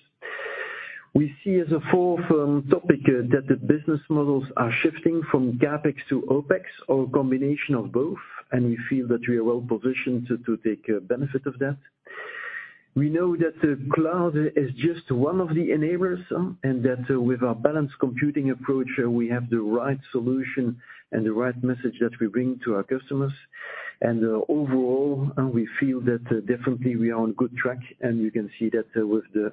We see as a fourth topic that the business models are shifting from CapEx to OpEx or a combination of both. We feel that we are well-positioned to take benefit of that. We know that the cloud is just one of the enablers. With our Balanced Computing approach, we have the right solution and the right message that we bring to our customers. Overall, we feel that definitely we are on good track, and you can see that with the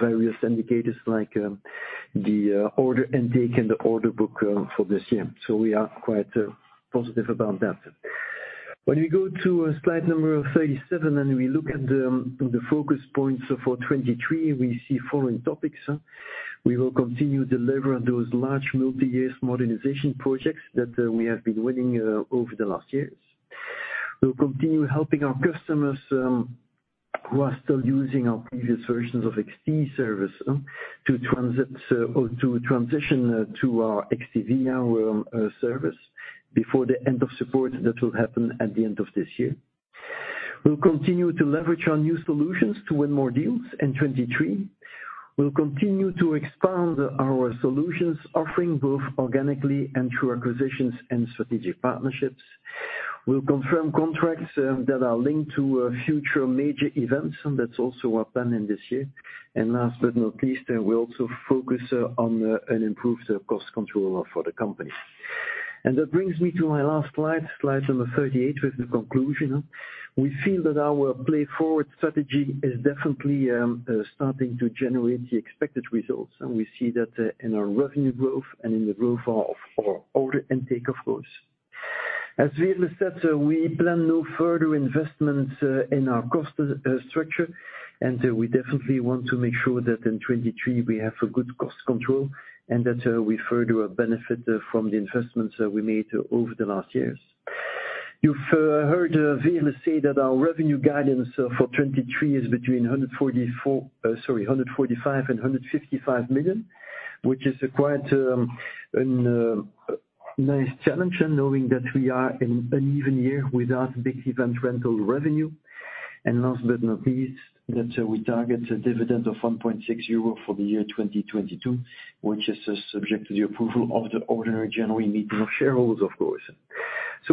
various indicators like the order intake and the order book for this year. We are quite positive about that. We go to slide number 37, we look at the focus points for 2023, we see following topics. We will continue to deliver those large multi-year modernization projects that we have been winning over the last years. We'll continue helping our customers who are still using our previous versions of XT service to transit or to transition to our XT-VIA service before the end of support that will happen at the end of this year. We'll continue to leverage our new solutions to win more deals in 2023. We'll continue to expand our solutions, offering both organically and through acquisitions and strategic partnerships. We'll confirm contracts that are linked to future major events, that's also our plan in this year. Last but not least, we'll also focus on and improve the cost control for the company. That brings me to my last slide number 38, with the conclusion. We feel that our PLAYForward strategy is definitely starting to generate the expected results, and we see that in our revenue growth and in the growth of our order intake, of course. As Veerle said, we plan no further investments in our cost structure, and we definitely want to make sure that in 2023 we have a good cost control and that we further benefit from the investments that we made over the last years. You've heard Veerle say that our revenue guidance for 2023 is between 145 million and 155 million, which is quite a nice challenge, knowing that we are in an even year without big event rental revenue. Last but not least, that we target a dividend of 1.6 euro for the year 2022, which is subject to the approval of the ordinary general meeting of shareholders, of course.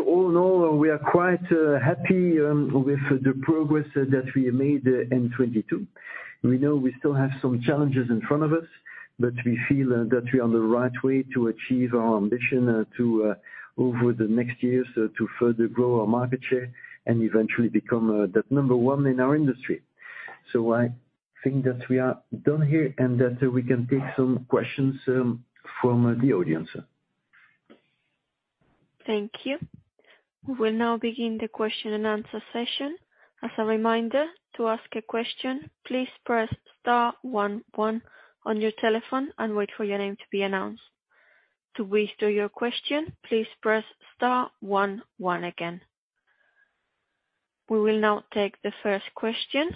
All in all, we are quite happy with the progress that we made in 2022. We know we still have some challenges in front of us, but we feel that we are on the right way to achieve our ambition to over the next years to further grow our market share and eventually become that number one in our industry. I think that we are done here and that we can take some questions from the audience. Thank you. We will now begin the question and answer session. As a reminder, to ask a question, please press star one one on your telephone and wait for your name to be announced. To restore your question, please press star one one again. We will now take the first question.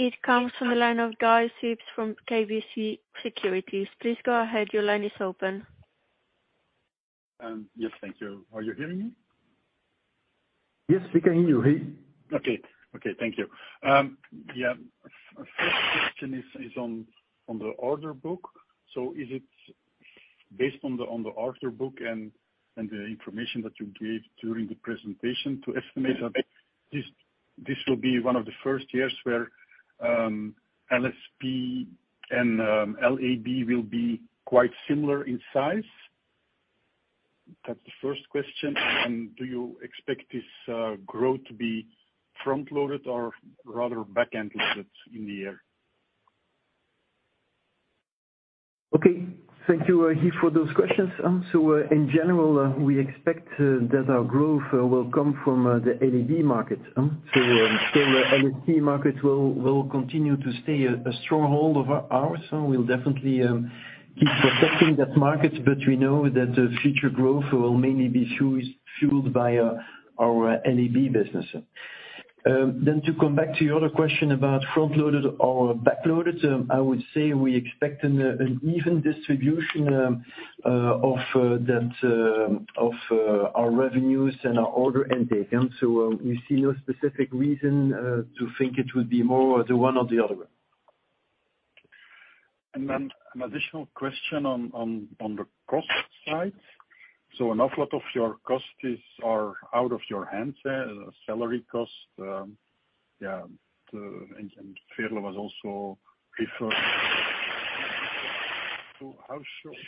It comes from the line of Guy Sips from KBC Securities. Please go ahead. Your line is open. Yes. Thank you. Are you hearing me? Yes, we can hear you. Hey. Thank you. Our first question is on the order book. Is it based on the order book and the information that you gave during the presentation to estimate that this will be one of the first years where LSP and LAB will be quite similar in size? That's the first question. Do you expect this growth to be front loaded or rather back-end loaded in the air? Okay. Thank you, Guy, for those questions. In general, we expect that our growth will come from the LAB market. Still the LSP market will continue to stay a stronghold of ours. We'll definitely keep protecting that market, but we know that the future growth will mainly be fueled by our LAB business. To come back to your other question about front loaded or back loaded, I would say we expect an even distribution of that of our revenues and our order intake. We see no specific reason to think it would be more the one or the other one. an additional question on the cost side. an awful lot of your costs are out of your hands, salary costs. Yeah. Veerle was also referred. how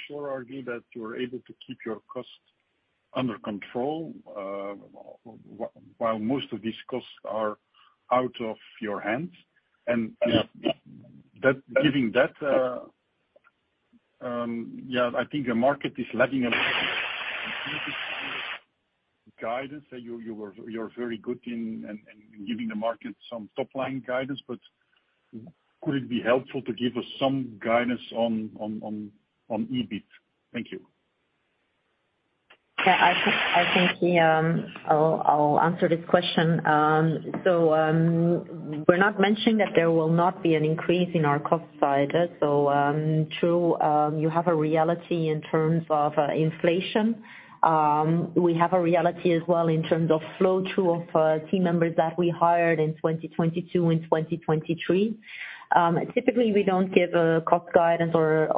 sure are you that you are able to keep your costs under control while most of these costs are out of your hands? giving that, yeah, I think the market is lagging a bit guidance. You're very good in giving the market some top line guidance, could it be helpful to give us some guidance on EBIT? Thank you. Yeah. I think I'll answer this question. We're not mentioning that there will not be an increase in our cost side. True, you have a reality in terms of inflation. We have a reality as well in terms of flow through of team members that we hired in 2022 and 2023. Typically we don't give a cost guidance or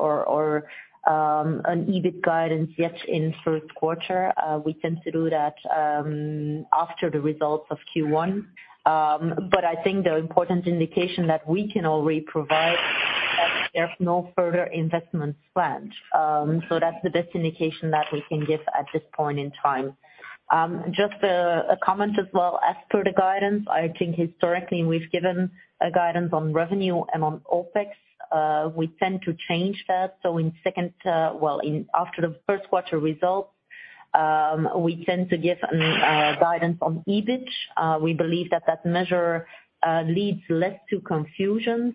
an EBIT guidance yet in first quarter. We tend to do that after the results of Q1. I think the important indication that we can already provide, there's no further investment planned. Just a comment as well. As per the guidance, I think historically we've given a guidance on revenue and on OpEx. We tend to change that. In second, well, after the first quarter results, we tend to give guidance on EBIT. We believe that that measure leads less to confusion.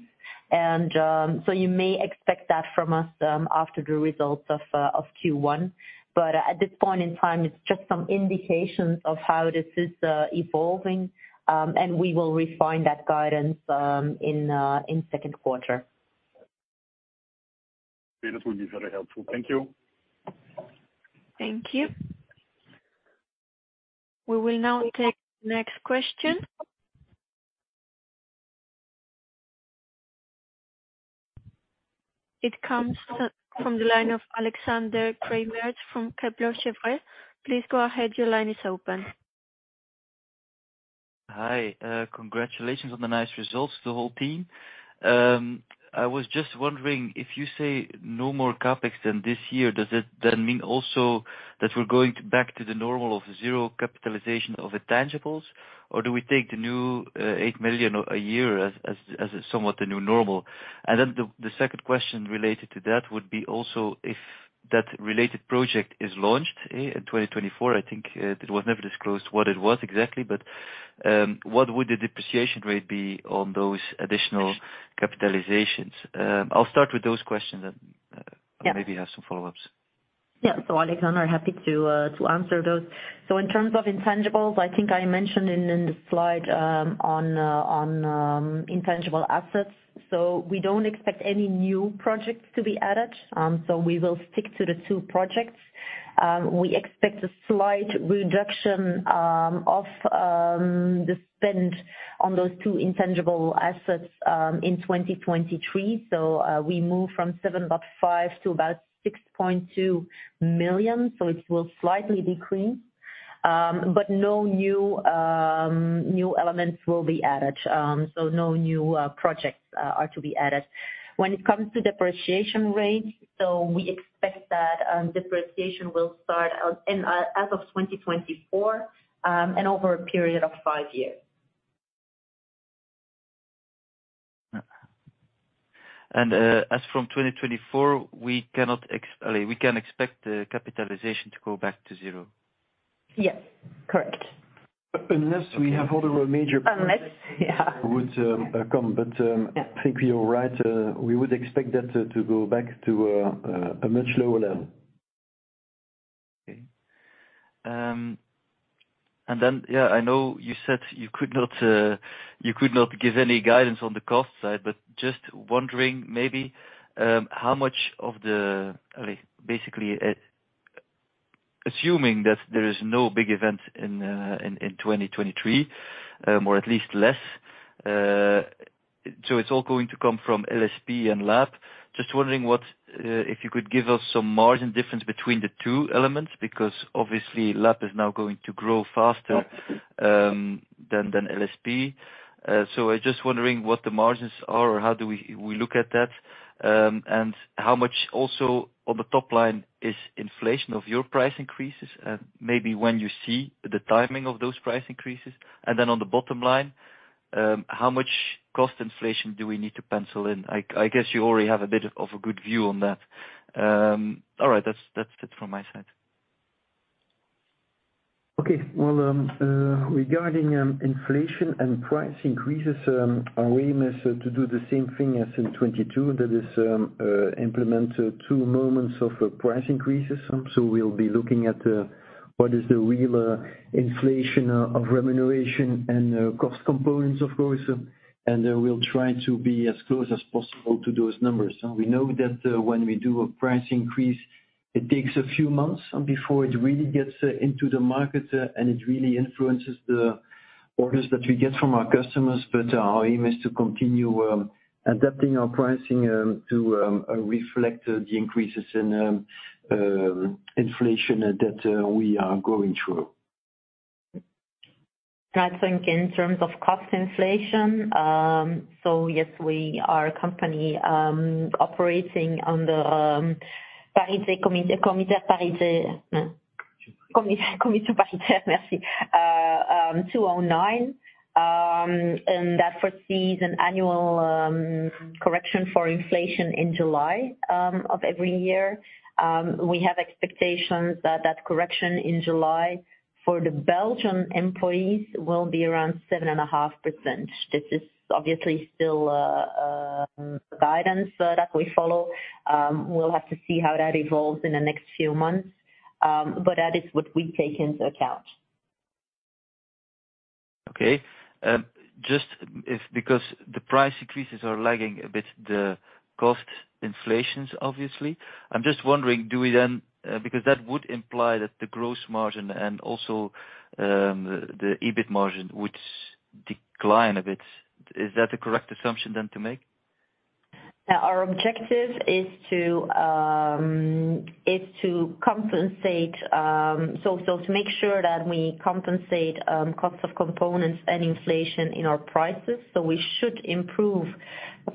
You may expect that from us after the results of Q1. At this point in time, it's just some indications of how this is evolving. We will refine that guidance in second quarter. Okay. That would be very helpful. Thank you. Thank you. We will now take the next question. It comes from the line of Alexander Craeymeersch from Kepler Cheuvreux. Please go ahead. Your line is open. Hi. Congratulations on the nice results, the whole team. I was just wondering if you say no more CapEx than this year, does that then mean also that we're going back to the normal of zero capitalization of intangibles? Or do we take the new, 8 million a year as somewhat the new normal? The second question related to that would be also if that related project is launched in 2024, I think, it was never disclosed what it was exactly, but, what would the depreciation rate be on those additional capitalizations? I'll start with those questions. Yeah. maybe have some follow-ups. Yeah. Alexander, happy to answer those. In terms of intangibles, I think I mentioned in the slide on intangible assets. We don't expect any new projects to be added. We will stick to the two projects. We expect a slight reduction of the spend on those two intangible assets in 2023. We move from 7.5 million to about 6.2 million. It will slightly decrease. But no new elements will be added. No new projects are to be added. When it comes to depreciation rate, we expect that depreciation will start out as of 2024 and over a period of 5 years. As from 2024, we can expect the capitalization to go back to zero. Yes. Correct. Unless we have other major-. Unless, yeah. would come. I think you're right. We would expect that to go back to a much lower level. Okay. Yeah, I know you said you could not, you could not give any guidance on the cost side, but just wondering, maybe, basically, assuming that there is no big event in 2023, or at least less, so it's all going to come from LSP and LAB. Just wondering what, if you could give us some margin difference between the two elements, because obviously LAB is now going to grow faster, than LSP. I just wondering what the margins are or how do we look at that, and how much also on the top line is inflation of your price increases, and maybe when you see the timing of those price increases. Then on the bottom line, how much cost inflation do we need to pencil in? I guess you already have a bit of a good view on that. All right, that's it from my side. Okay. Well, regarding inflation and price increases, our aim is to do the same thing as in 2022. That is, implement 2 moments of price increases. We'll be looking at what is the real inflation of remuneration and cost components, of course, and then we'll try to be as close as possible to those numbers. We know that when we do a price increase, it takes a few months before it really gets into the market and it really influences the orders that we get from our customers. Our aim is to continue adapting our pricing to reflect the increases in inflation that we are going through. I think in terms of cost inflation. Yes, we are a company operating on the Joint Industrial Committee 209, and that foresees an annual correction for inflation in July of every year. We have expectations that that correction in July for the Belgian employees will be around 7.5%. This is obviously still a guidance that we follow. We'll have to see how that evolves in the next few months, but that is what we take into account. Just if because the price increases are lagging a bit, the cost inflations, obviously. I'm just wondering, do we then, because that would imply that the gross margin and also, the EBITDA margin would decline a bit? Is that a correct assumption then to make? Our objective is to is to compensate to make sure that we compensate cost of components and inflation in our prices. We should improve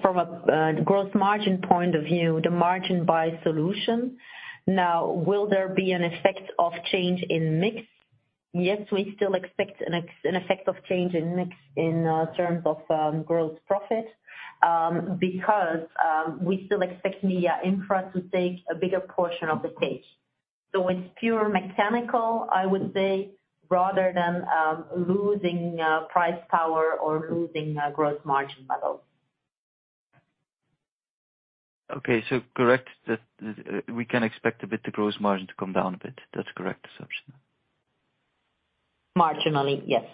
from a growth margin point of view, the margin by solution. Now, will there be an effect of change in mix? Yes, we still expect an effect of change in mix in terms of growth profit because we still expect MediaInfra to take a bigger portion of the cake. It's pure mechanical, I would say, rather than losing price power or losing growth margin model. Okay. correct that, we can expect a bit the gross margin to come down a bit. That's a correct assumption. Marginally, yes.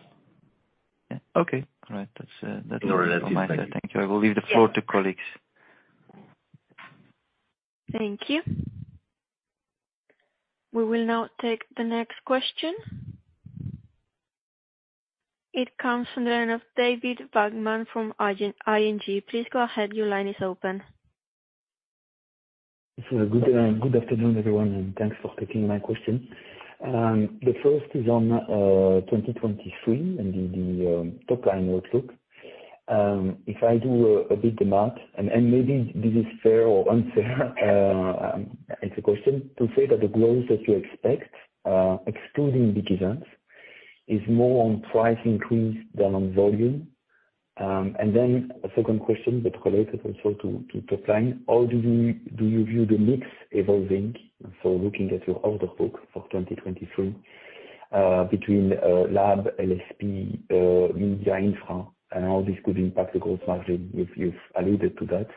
Yeah. Okay. All right. That's, that's all from my side. Thank you. I will leave the floor to colleagues. Thank you. We will now take the next question. It comes from the line of David Vagman from ING. Please go ahead. Your line is open. Good afternoon, everyone, and thanks for taking my question. The first is on 2023 and the top line outlook. If I do a bit the math, and maybe this is fair or unfair, it's a question to say that the growth that you expect, excluding big events, is more on price increase than on volume. Then a second question that related also to top line, how do you view the mix evolving for looking at your order book for 2023, between LAB, LSP, media infra, and how this could impact the growth margin? You've alluded to that.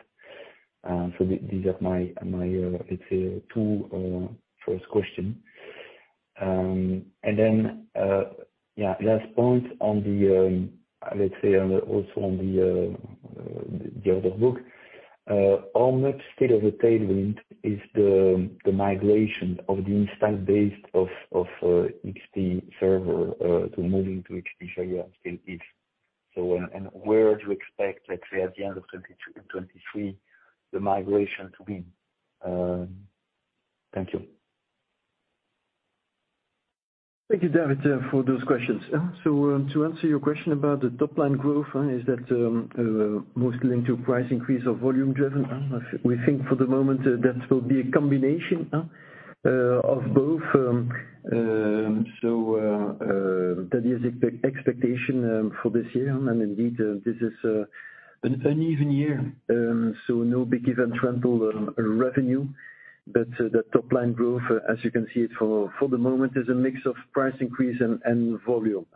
These are my let's say two first question. Yeah, last point on the also on the order book. How much state of the tailwind is the migration of the install base of XTserver to moving to XT-VIA still is? Where to expect, let's say at the end of 2023, the migration to be? Thank you. Thank you, David, for those questions. To answer your question about the top line growth, is that mostly into price increase or volume driven. We think for the moment that will be a combination of both. That is expectation for this year. Indeed, this is an uneven year. No big event rental revenue, but the top line growth, as you can see it for the moment, is a mix of price increase and volume.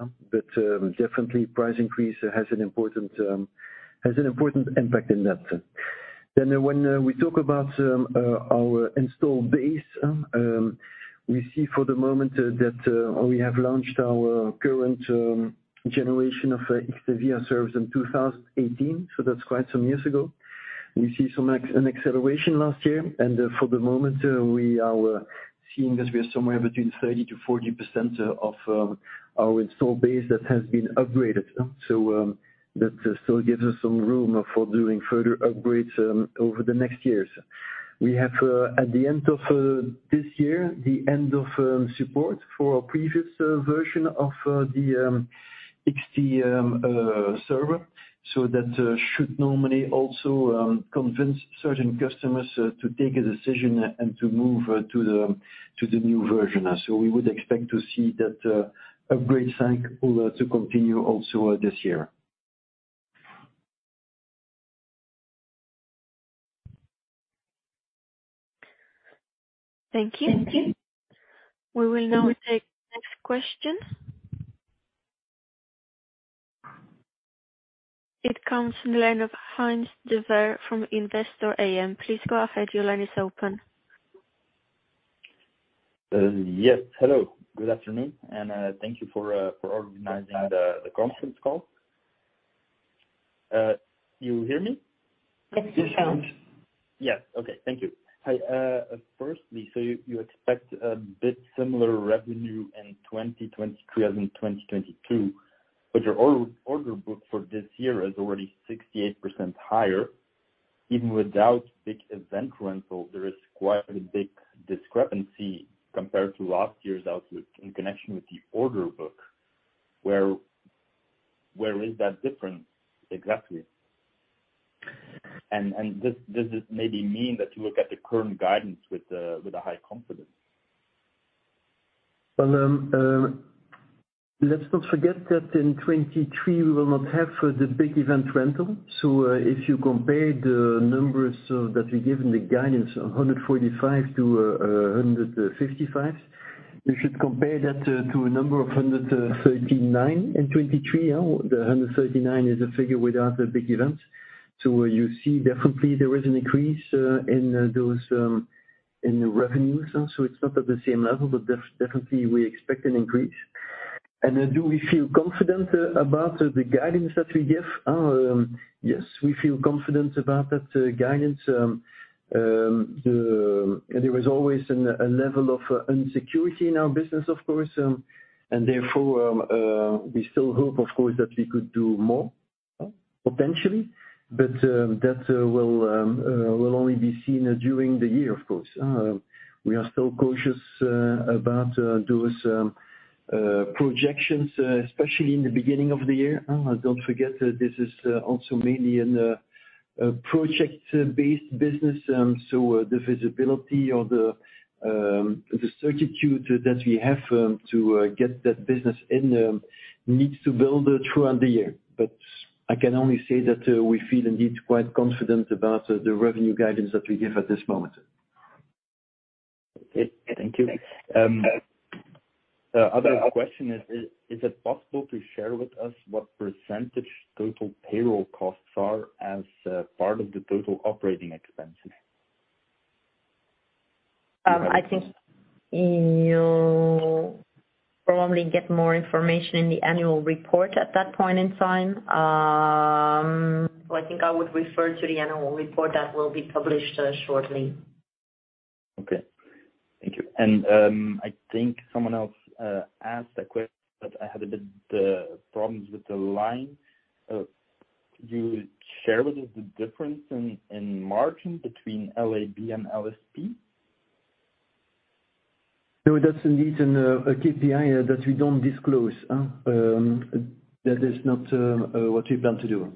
Definitely price increase has an important impact in that. When we talk about our install base, we see for the moment that we have launched our current generation of the XT-VIA service in 2018. That's quite some years ago. We see an acceleration last year. For the moment we are seeing that we are somewhere between 30%-40% of our install base that has been upgraded. That still gives us some room for doing further upgrades over the next years. We have at the end of this year, the end of support for our previous version of the XT server. That should normally also convince certain customers to take a decision and to move to the new version. We would expect to see that upgrade to continue also this year. Thank you. We will now take next question. It comes from the line of Heinz Deweer from Investor AM. Please go ahead. Your line is open. Yes. Hello. Good afternoon, and thank you for organizing the conference call. You hear me? Yes, we can. Yes. Okay. Thank you. Hi. Firstly, you expect a bit similar revenue in 2023 as in 2022, but your order book for this year is already 68% higher. Even without big event rental, there is quite a big discrepancy compared to last year's outlook in connection with the order book. Where is that different exactly? Does it maybe mean that you look at the current guidance with a high confidence? Well, let's not forget that in 2023 we will not have the big event rental. If you compare the numbers that we give in the guidance of 145 million-155 million, you should compare that to a number of 139 million in 2023. The 139 million is a figure without the big event. You see definitely there is an increase in those in the revenues. It's not at the same level, but definitely we expect an increase. Do we feel confident about the guidance that we give? Yes, we feel confident about that guidance. There is always a level of insecurity in our business, of course, and therefore, we still hope, of course, that we could do more potentially, but that will only be seen during the year, of course. We are still cautious about those projections, especially in the beginning of the year. Don't forget that this is also mainly in the project-based business, so the visibility or the certitude that we have to get that business in needs to build throughout the year. I can only say that we feel indeed quite confident about the revenue guidance that we give at this moment. Thank you. Other question is it possible to share with us what % total payroll costs are as a part of the total operating expenses? I think you'll probably get more information in the annual report at that point in time. I think I would refer to the annual report that will be published shortly. Okay. Thank you. I think someone else asked a que-- but I had a bit problems with the line. Could you share with us the difference in margin between LAB and LSP? No, that's indeed a KPI that we don't disclose. That is not what we plan to do.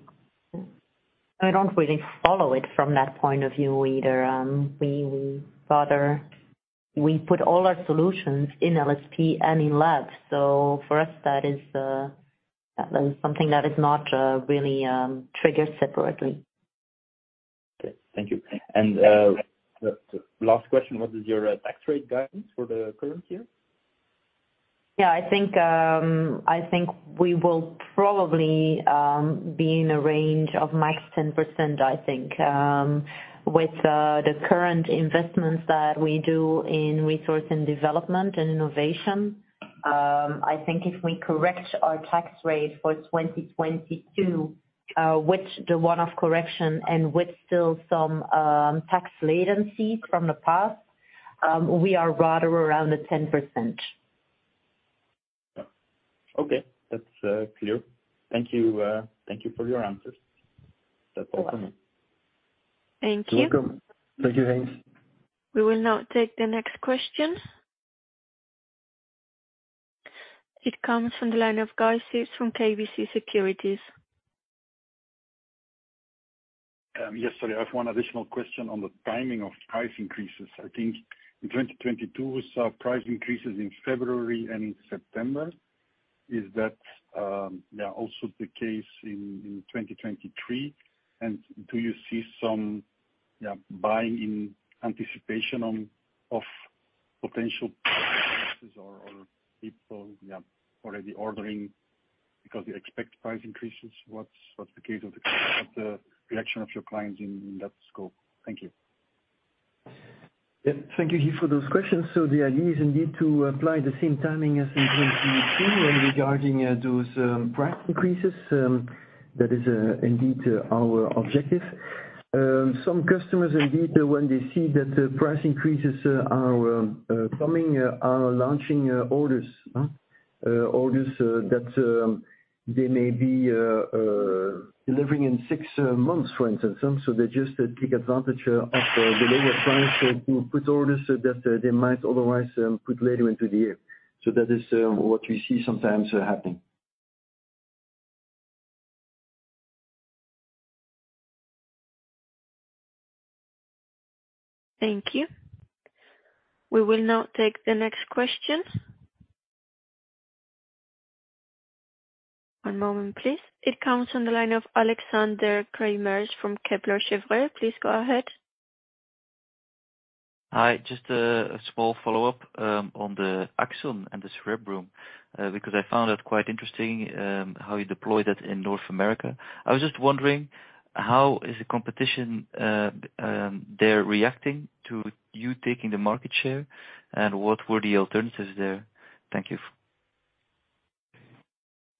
We don't really follow it from that point of view either. We put all our solutions in LSP and in LAB. For us, that is something that is not really triggered separately. Okay. Thank you. Last question. What is your tax rate guidance for the current year? Yeah, I think, I think we will probably be in a range of max 10%, I think. With the current investments that we do in resource and development and innovation, I think if we correct our tax rate for 2022, with the one-off correction and with still some tax latency from the past, we are rather around the 10%. Okay, that's clear. Thank you. Thank you for your answers. That's all from me. You're welcome. Thank you. Welcome. Thank you. Thanks. We will now take the next question. It comes from the line of Guy Sips from KBC Securities. Yes. Sorry. I have one additional question on the timing of price increases. I think in 2022, we saw price increases in February and in September. Is that, yeah, also the case in 2023? Do you see some, yeah, buying in anticipation of potential increases or people, yeah, already ordering because they expect price increases? What's the case of the reaction of your clients in that scope? Thank you. Thank you, Yves, for those questions. The idea is indeed to apply the same timing as in 2022 when regarding those price increases. That is indeed our objective. Some customers indeed, when they see that the price increases are coming, are launching orders that they may be delivering in 6 months, for instance. They just take advantage of the lower price. To put orders that they might otherwise put later into the year. That is what we see sometimes happening. Thank you. We will now take the next question. One moment, please. It comes from the line of Alexander Craeymeersch from Kepler Cheuvreux. Please go ahead. Hi. Just a small follow-up on the Axon and the Cerebrum, because I found it quite interesting how you deployed it in North America. I was just wondering how is the competition there reacting to you taking the market share, and what were the alternatives there? Thank you.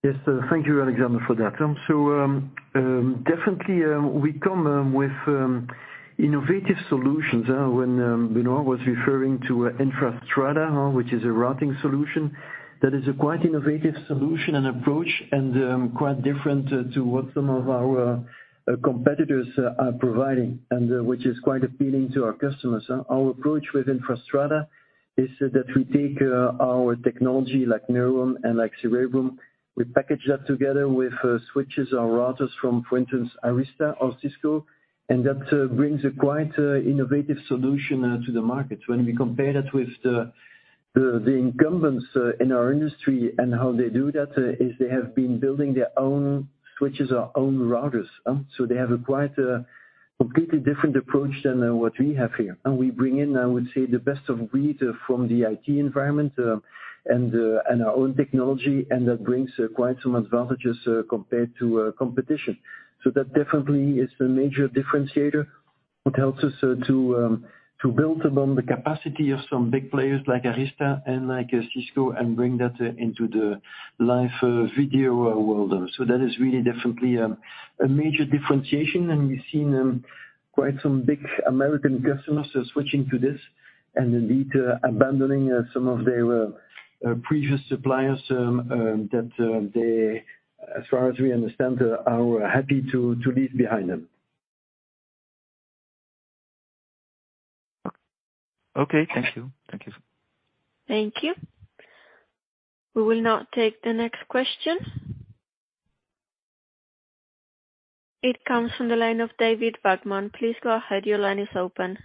Yes. Thank you, Alexander, for that. Definitely, we come with innovative solutions when Benoit was referring to MediaInfra Strada, which is a routing solution that is a quite innovative solution and approach and quite different to what some of our competitors are providing and which is quite appealing to our customers. Our approach with MediaInfra Strada is that we take our technology like Neuron and like Cerebrum. We package that together with switches or routers from, for instance, Arista or Cisco, and that brings a quite innovative solution to the market. When we compare that with the, the incumbents in our industry and how they do that, is they have been building their own switches or own routers. They have a quite completely different approach than what we have here. We bring in, I would say, the best of breed from the IT environment, and our own technology, and that brings quite some advantages compared to competition. That definitely is a major differentiator which helps us to build upon the capacity of some big players like Arista and like Cisco and bring that into the live video world. That is really definitely a major differentiation. We've seen quite some big American customers switching to this and indeed abandoning some of their previous suppliers that they, as far as we understand, are happy to leave behind them. Okay. Thank you. Thank you. Thank you. We will now take the next question. It comes from the line of David Vagman. Please go ahead. Your line is open.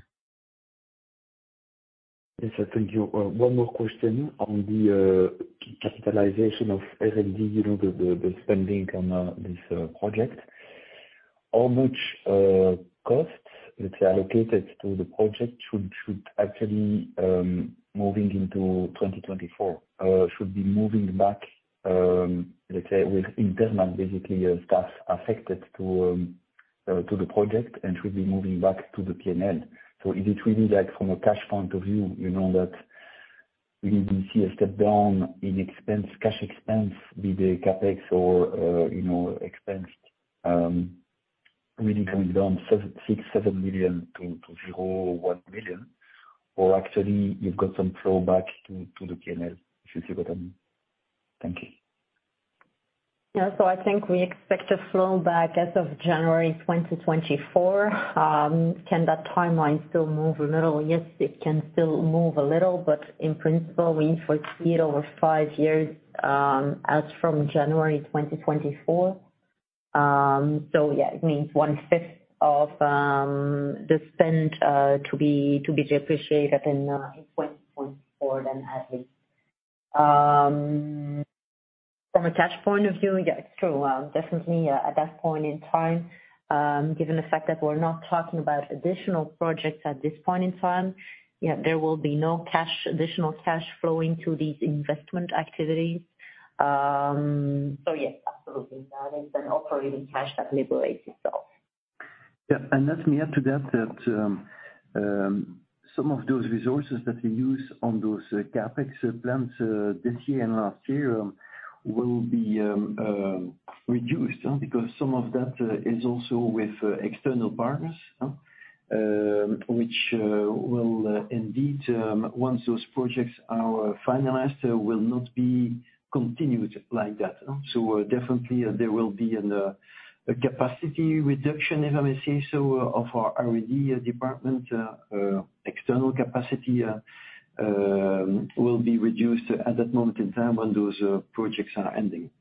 Yes, sir. Thank you. One more question on the capitalization of R&D, you know, the spending on this project. How much costs that are allocated to the project should actually, moving into 2024, should be moving back, let's say with internal basically, staff affected to the project and should be moving back to the P&L. Is it really that from a cash point of view, you know, that we need to see a step down in expense, cash expense, be the CapEx or, you know, expense, really coming down 6 million-7 million to 0 or 1 million, or actually you've got some flow back to the P&L, if you see what I mean. Thank you. Yeah. I think we expect a flow back as of January 2024. Can that timeline still move a little? Yes, it can still move a little. In principle, we foresee it over five years as from January 2024. Yeah, it means one-fifth of the spend to be depreciated in 2024 then at least. From a cash point of view, it's true. Definitely, at that point in time, given the fact that we're not talking about additional projects at this point in time, there will be no cash, additional cash flowing to these investment activities. Yes, absolutely, that is an operating cash that liberates itself. Yeah, let me add to that some of those resources that we use on those CapEx plans this year and last year will be reduced, huh? Because some of that is also with external partners, huh? Which will indeed once those projects are finalized, will not be continued like that, huh? Definitely there will be an a capacity reduction, if I may say so, of our R&D department. External capacity will be reduced at that moment in time when those projects are ending.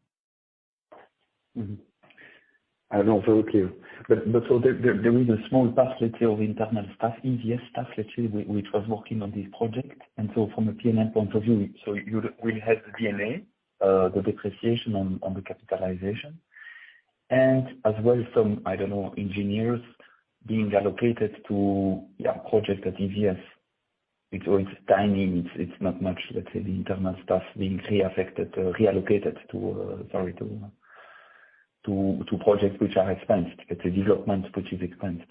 No, very clear. So there is a small part, let's say, of internal staff, EVS staff, let's say, which was working on this project. From a P&L point of view, you will have the DNA, the depreciation on the capitalization. As well as some, I don't know, engineers being allocated to projects at EVS. It's always tiny, it's not much, let's say, the internal staff being reaffected, reallocated to, sorry, to projects which are expensed. It's a development which is expensed.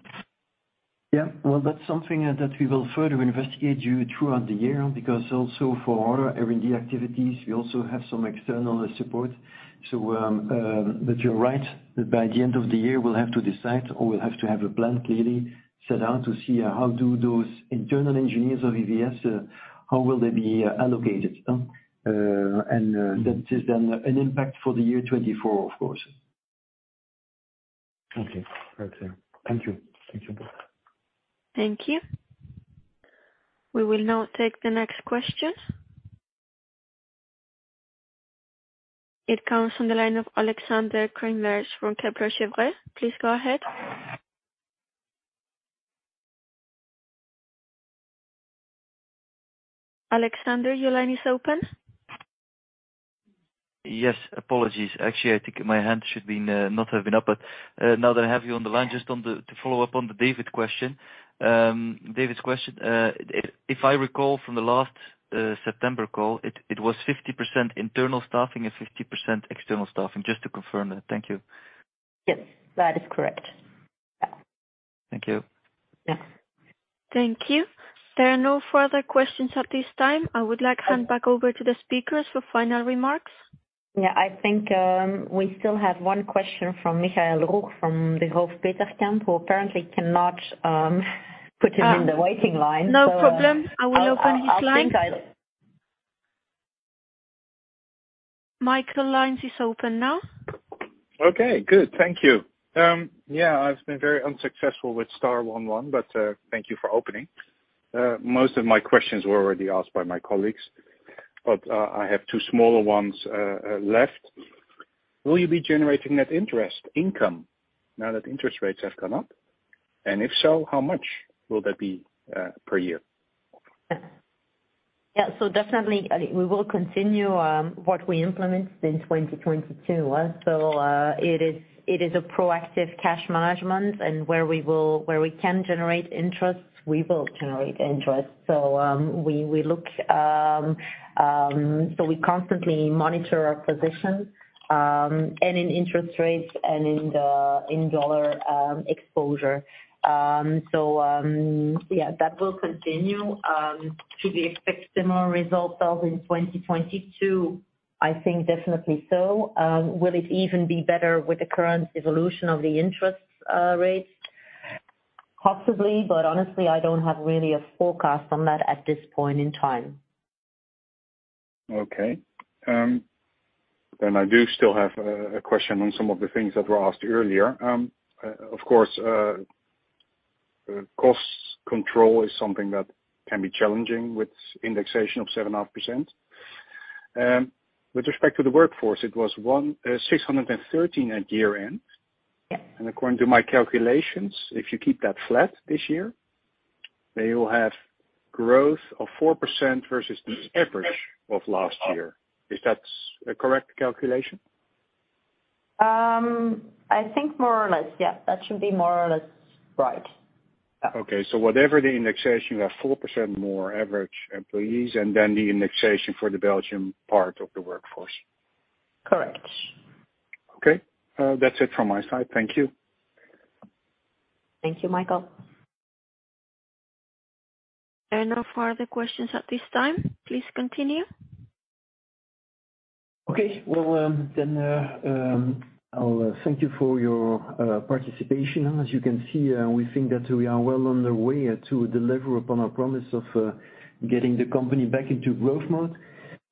Yeah. Well, that's something that we will further investigate you throughout the year. Also for our R&D activities, we also have some external support. But you're right, by the end of the year, we'll have to decide or we'll have to have a plan clearly set out to see how do those internal engineers of EVS, how will they be allocated, huh? That is an impact for the year 2024, of course. Okay. Right. Thank you. Thank you both. Thank you. We will now take the next question. It comes from the line of Alexander Craeymeersch from Kepler Cheuvreux. Please go ahead. Alexander, your line is open. Yes, apologies. Actually, I think my hand should been not have been up. Now that I have you on the line, just to follow up on the David question. David's question. If I recall from the last September call, it was 50% internal staffing and 50% external staffing. Just to confirm that. Thank you. Yes, that is correct. Yeah. Thank you. Yeah. Thank you. There are no further questions at this time. I would like hand back over to the speakers for final remarks. I think, we still have one question Michaël Roeg from Degroof Petercam, who apparently cannot put him in the waiting line. No problem. I will open his line. I think I'll- Michaël, line is open now. Okay, good. Thank you. I've been very unsuccessful with star one one, but thank you for opening. Most of my questions were already asked by my colleagues, but I have two smaller ones left. Will you be generating that interest income now that interest rates have gone up? If so, how much will that be per year? Yeah. Definitely, we will continue what we implemented in 2022. It is a proactive cash management. Where we can generate interest, we will generate interest. We look. We constantly monitor our position and in interest rates and in the, in dollar exposure. Yeah, that will continue. Should we expect similar results as in 2022? I think definitely so. Will it even be better with the current evolution of the interest rates? Possibly, honestly, I don't have really a forecast on that at this point in time. Okay. I do still have a question on some of the things that were asked earlier. Of course, cost control is something that can be challenging with indexation of 7.5%. With respect to the workforce, it was 1,613 at year-end. Yeah. According to my calculations, if you keep that flat this year, then you'll have growth of 4% versus the average of last year. Is that a correct calculation? I think more or less, yeah. That should be more or less right. Yeah. Whatever the indexation, you have 4% more average employees, and then the indexation for the Belgium part of the workforce. Correct. That's it from my side. Thank you. Thank you, Michael. There are no further questions at this time. Please continue. Well, then, I'll thank you for your participation. As you can see, we think that we are well on the way to deliver upon our promise of getting the company back into growth mode.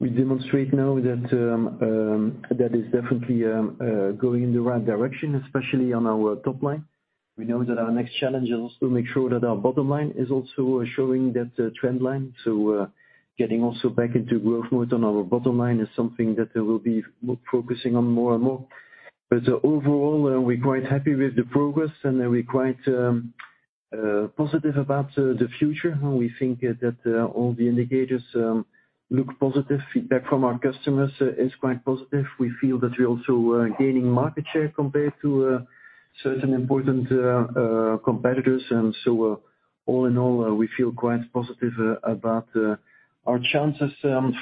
We demonstrate now that that is definitely going in the right direction, especially on our top line. We know that our next challenge is also make sure that our bottom line is also showing that trend line. Getting also back into growth mode on our bottom line is something that we'll be focusing on more and more. Overall, we're quite happy with the progress and we're quite positive about the future. We think that all the indicators look positive. Feedback from our customers is quite positive. We feel that we're also gaining market share compared to certain important competitors. All in all, we feel quite positive about our chances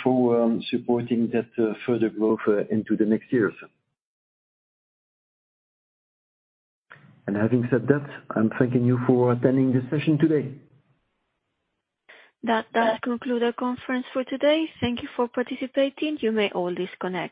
for supporting that further growth into the next years. Having said that, I'm thanking you for attending this session today. That does conclude our conference for today. Thank you for participating. You may all disconnect.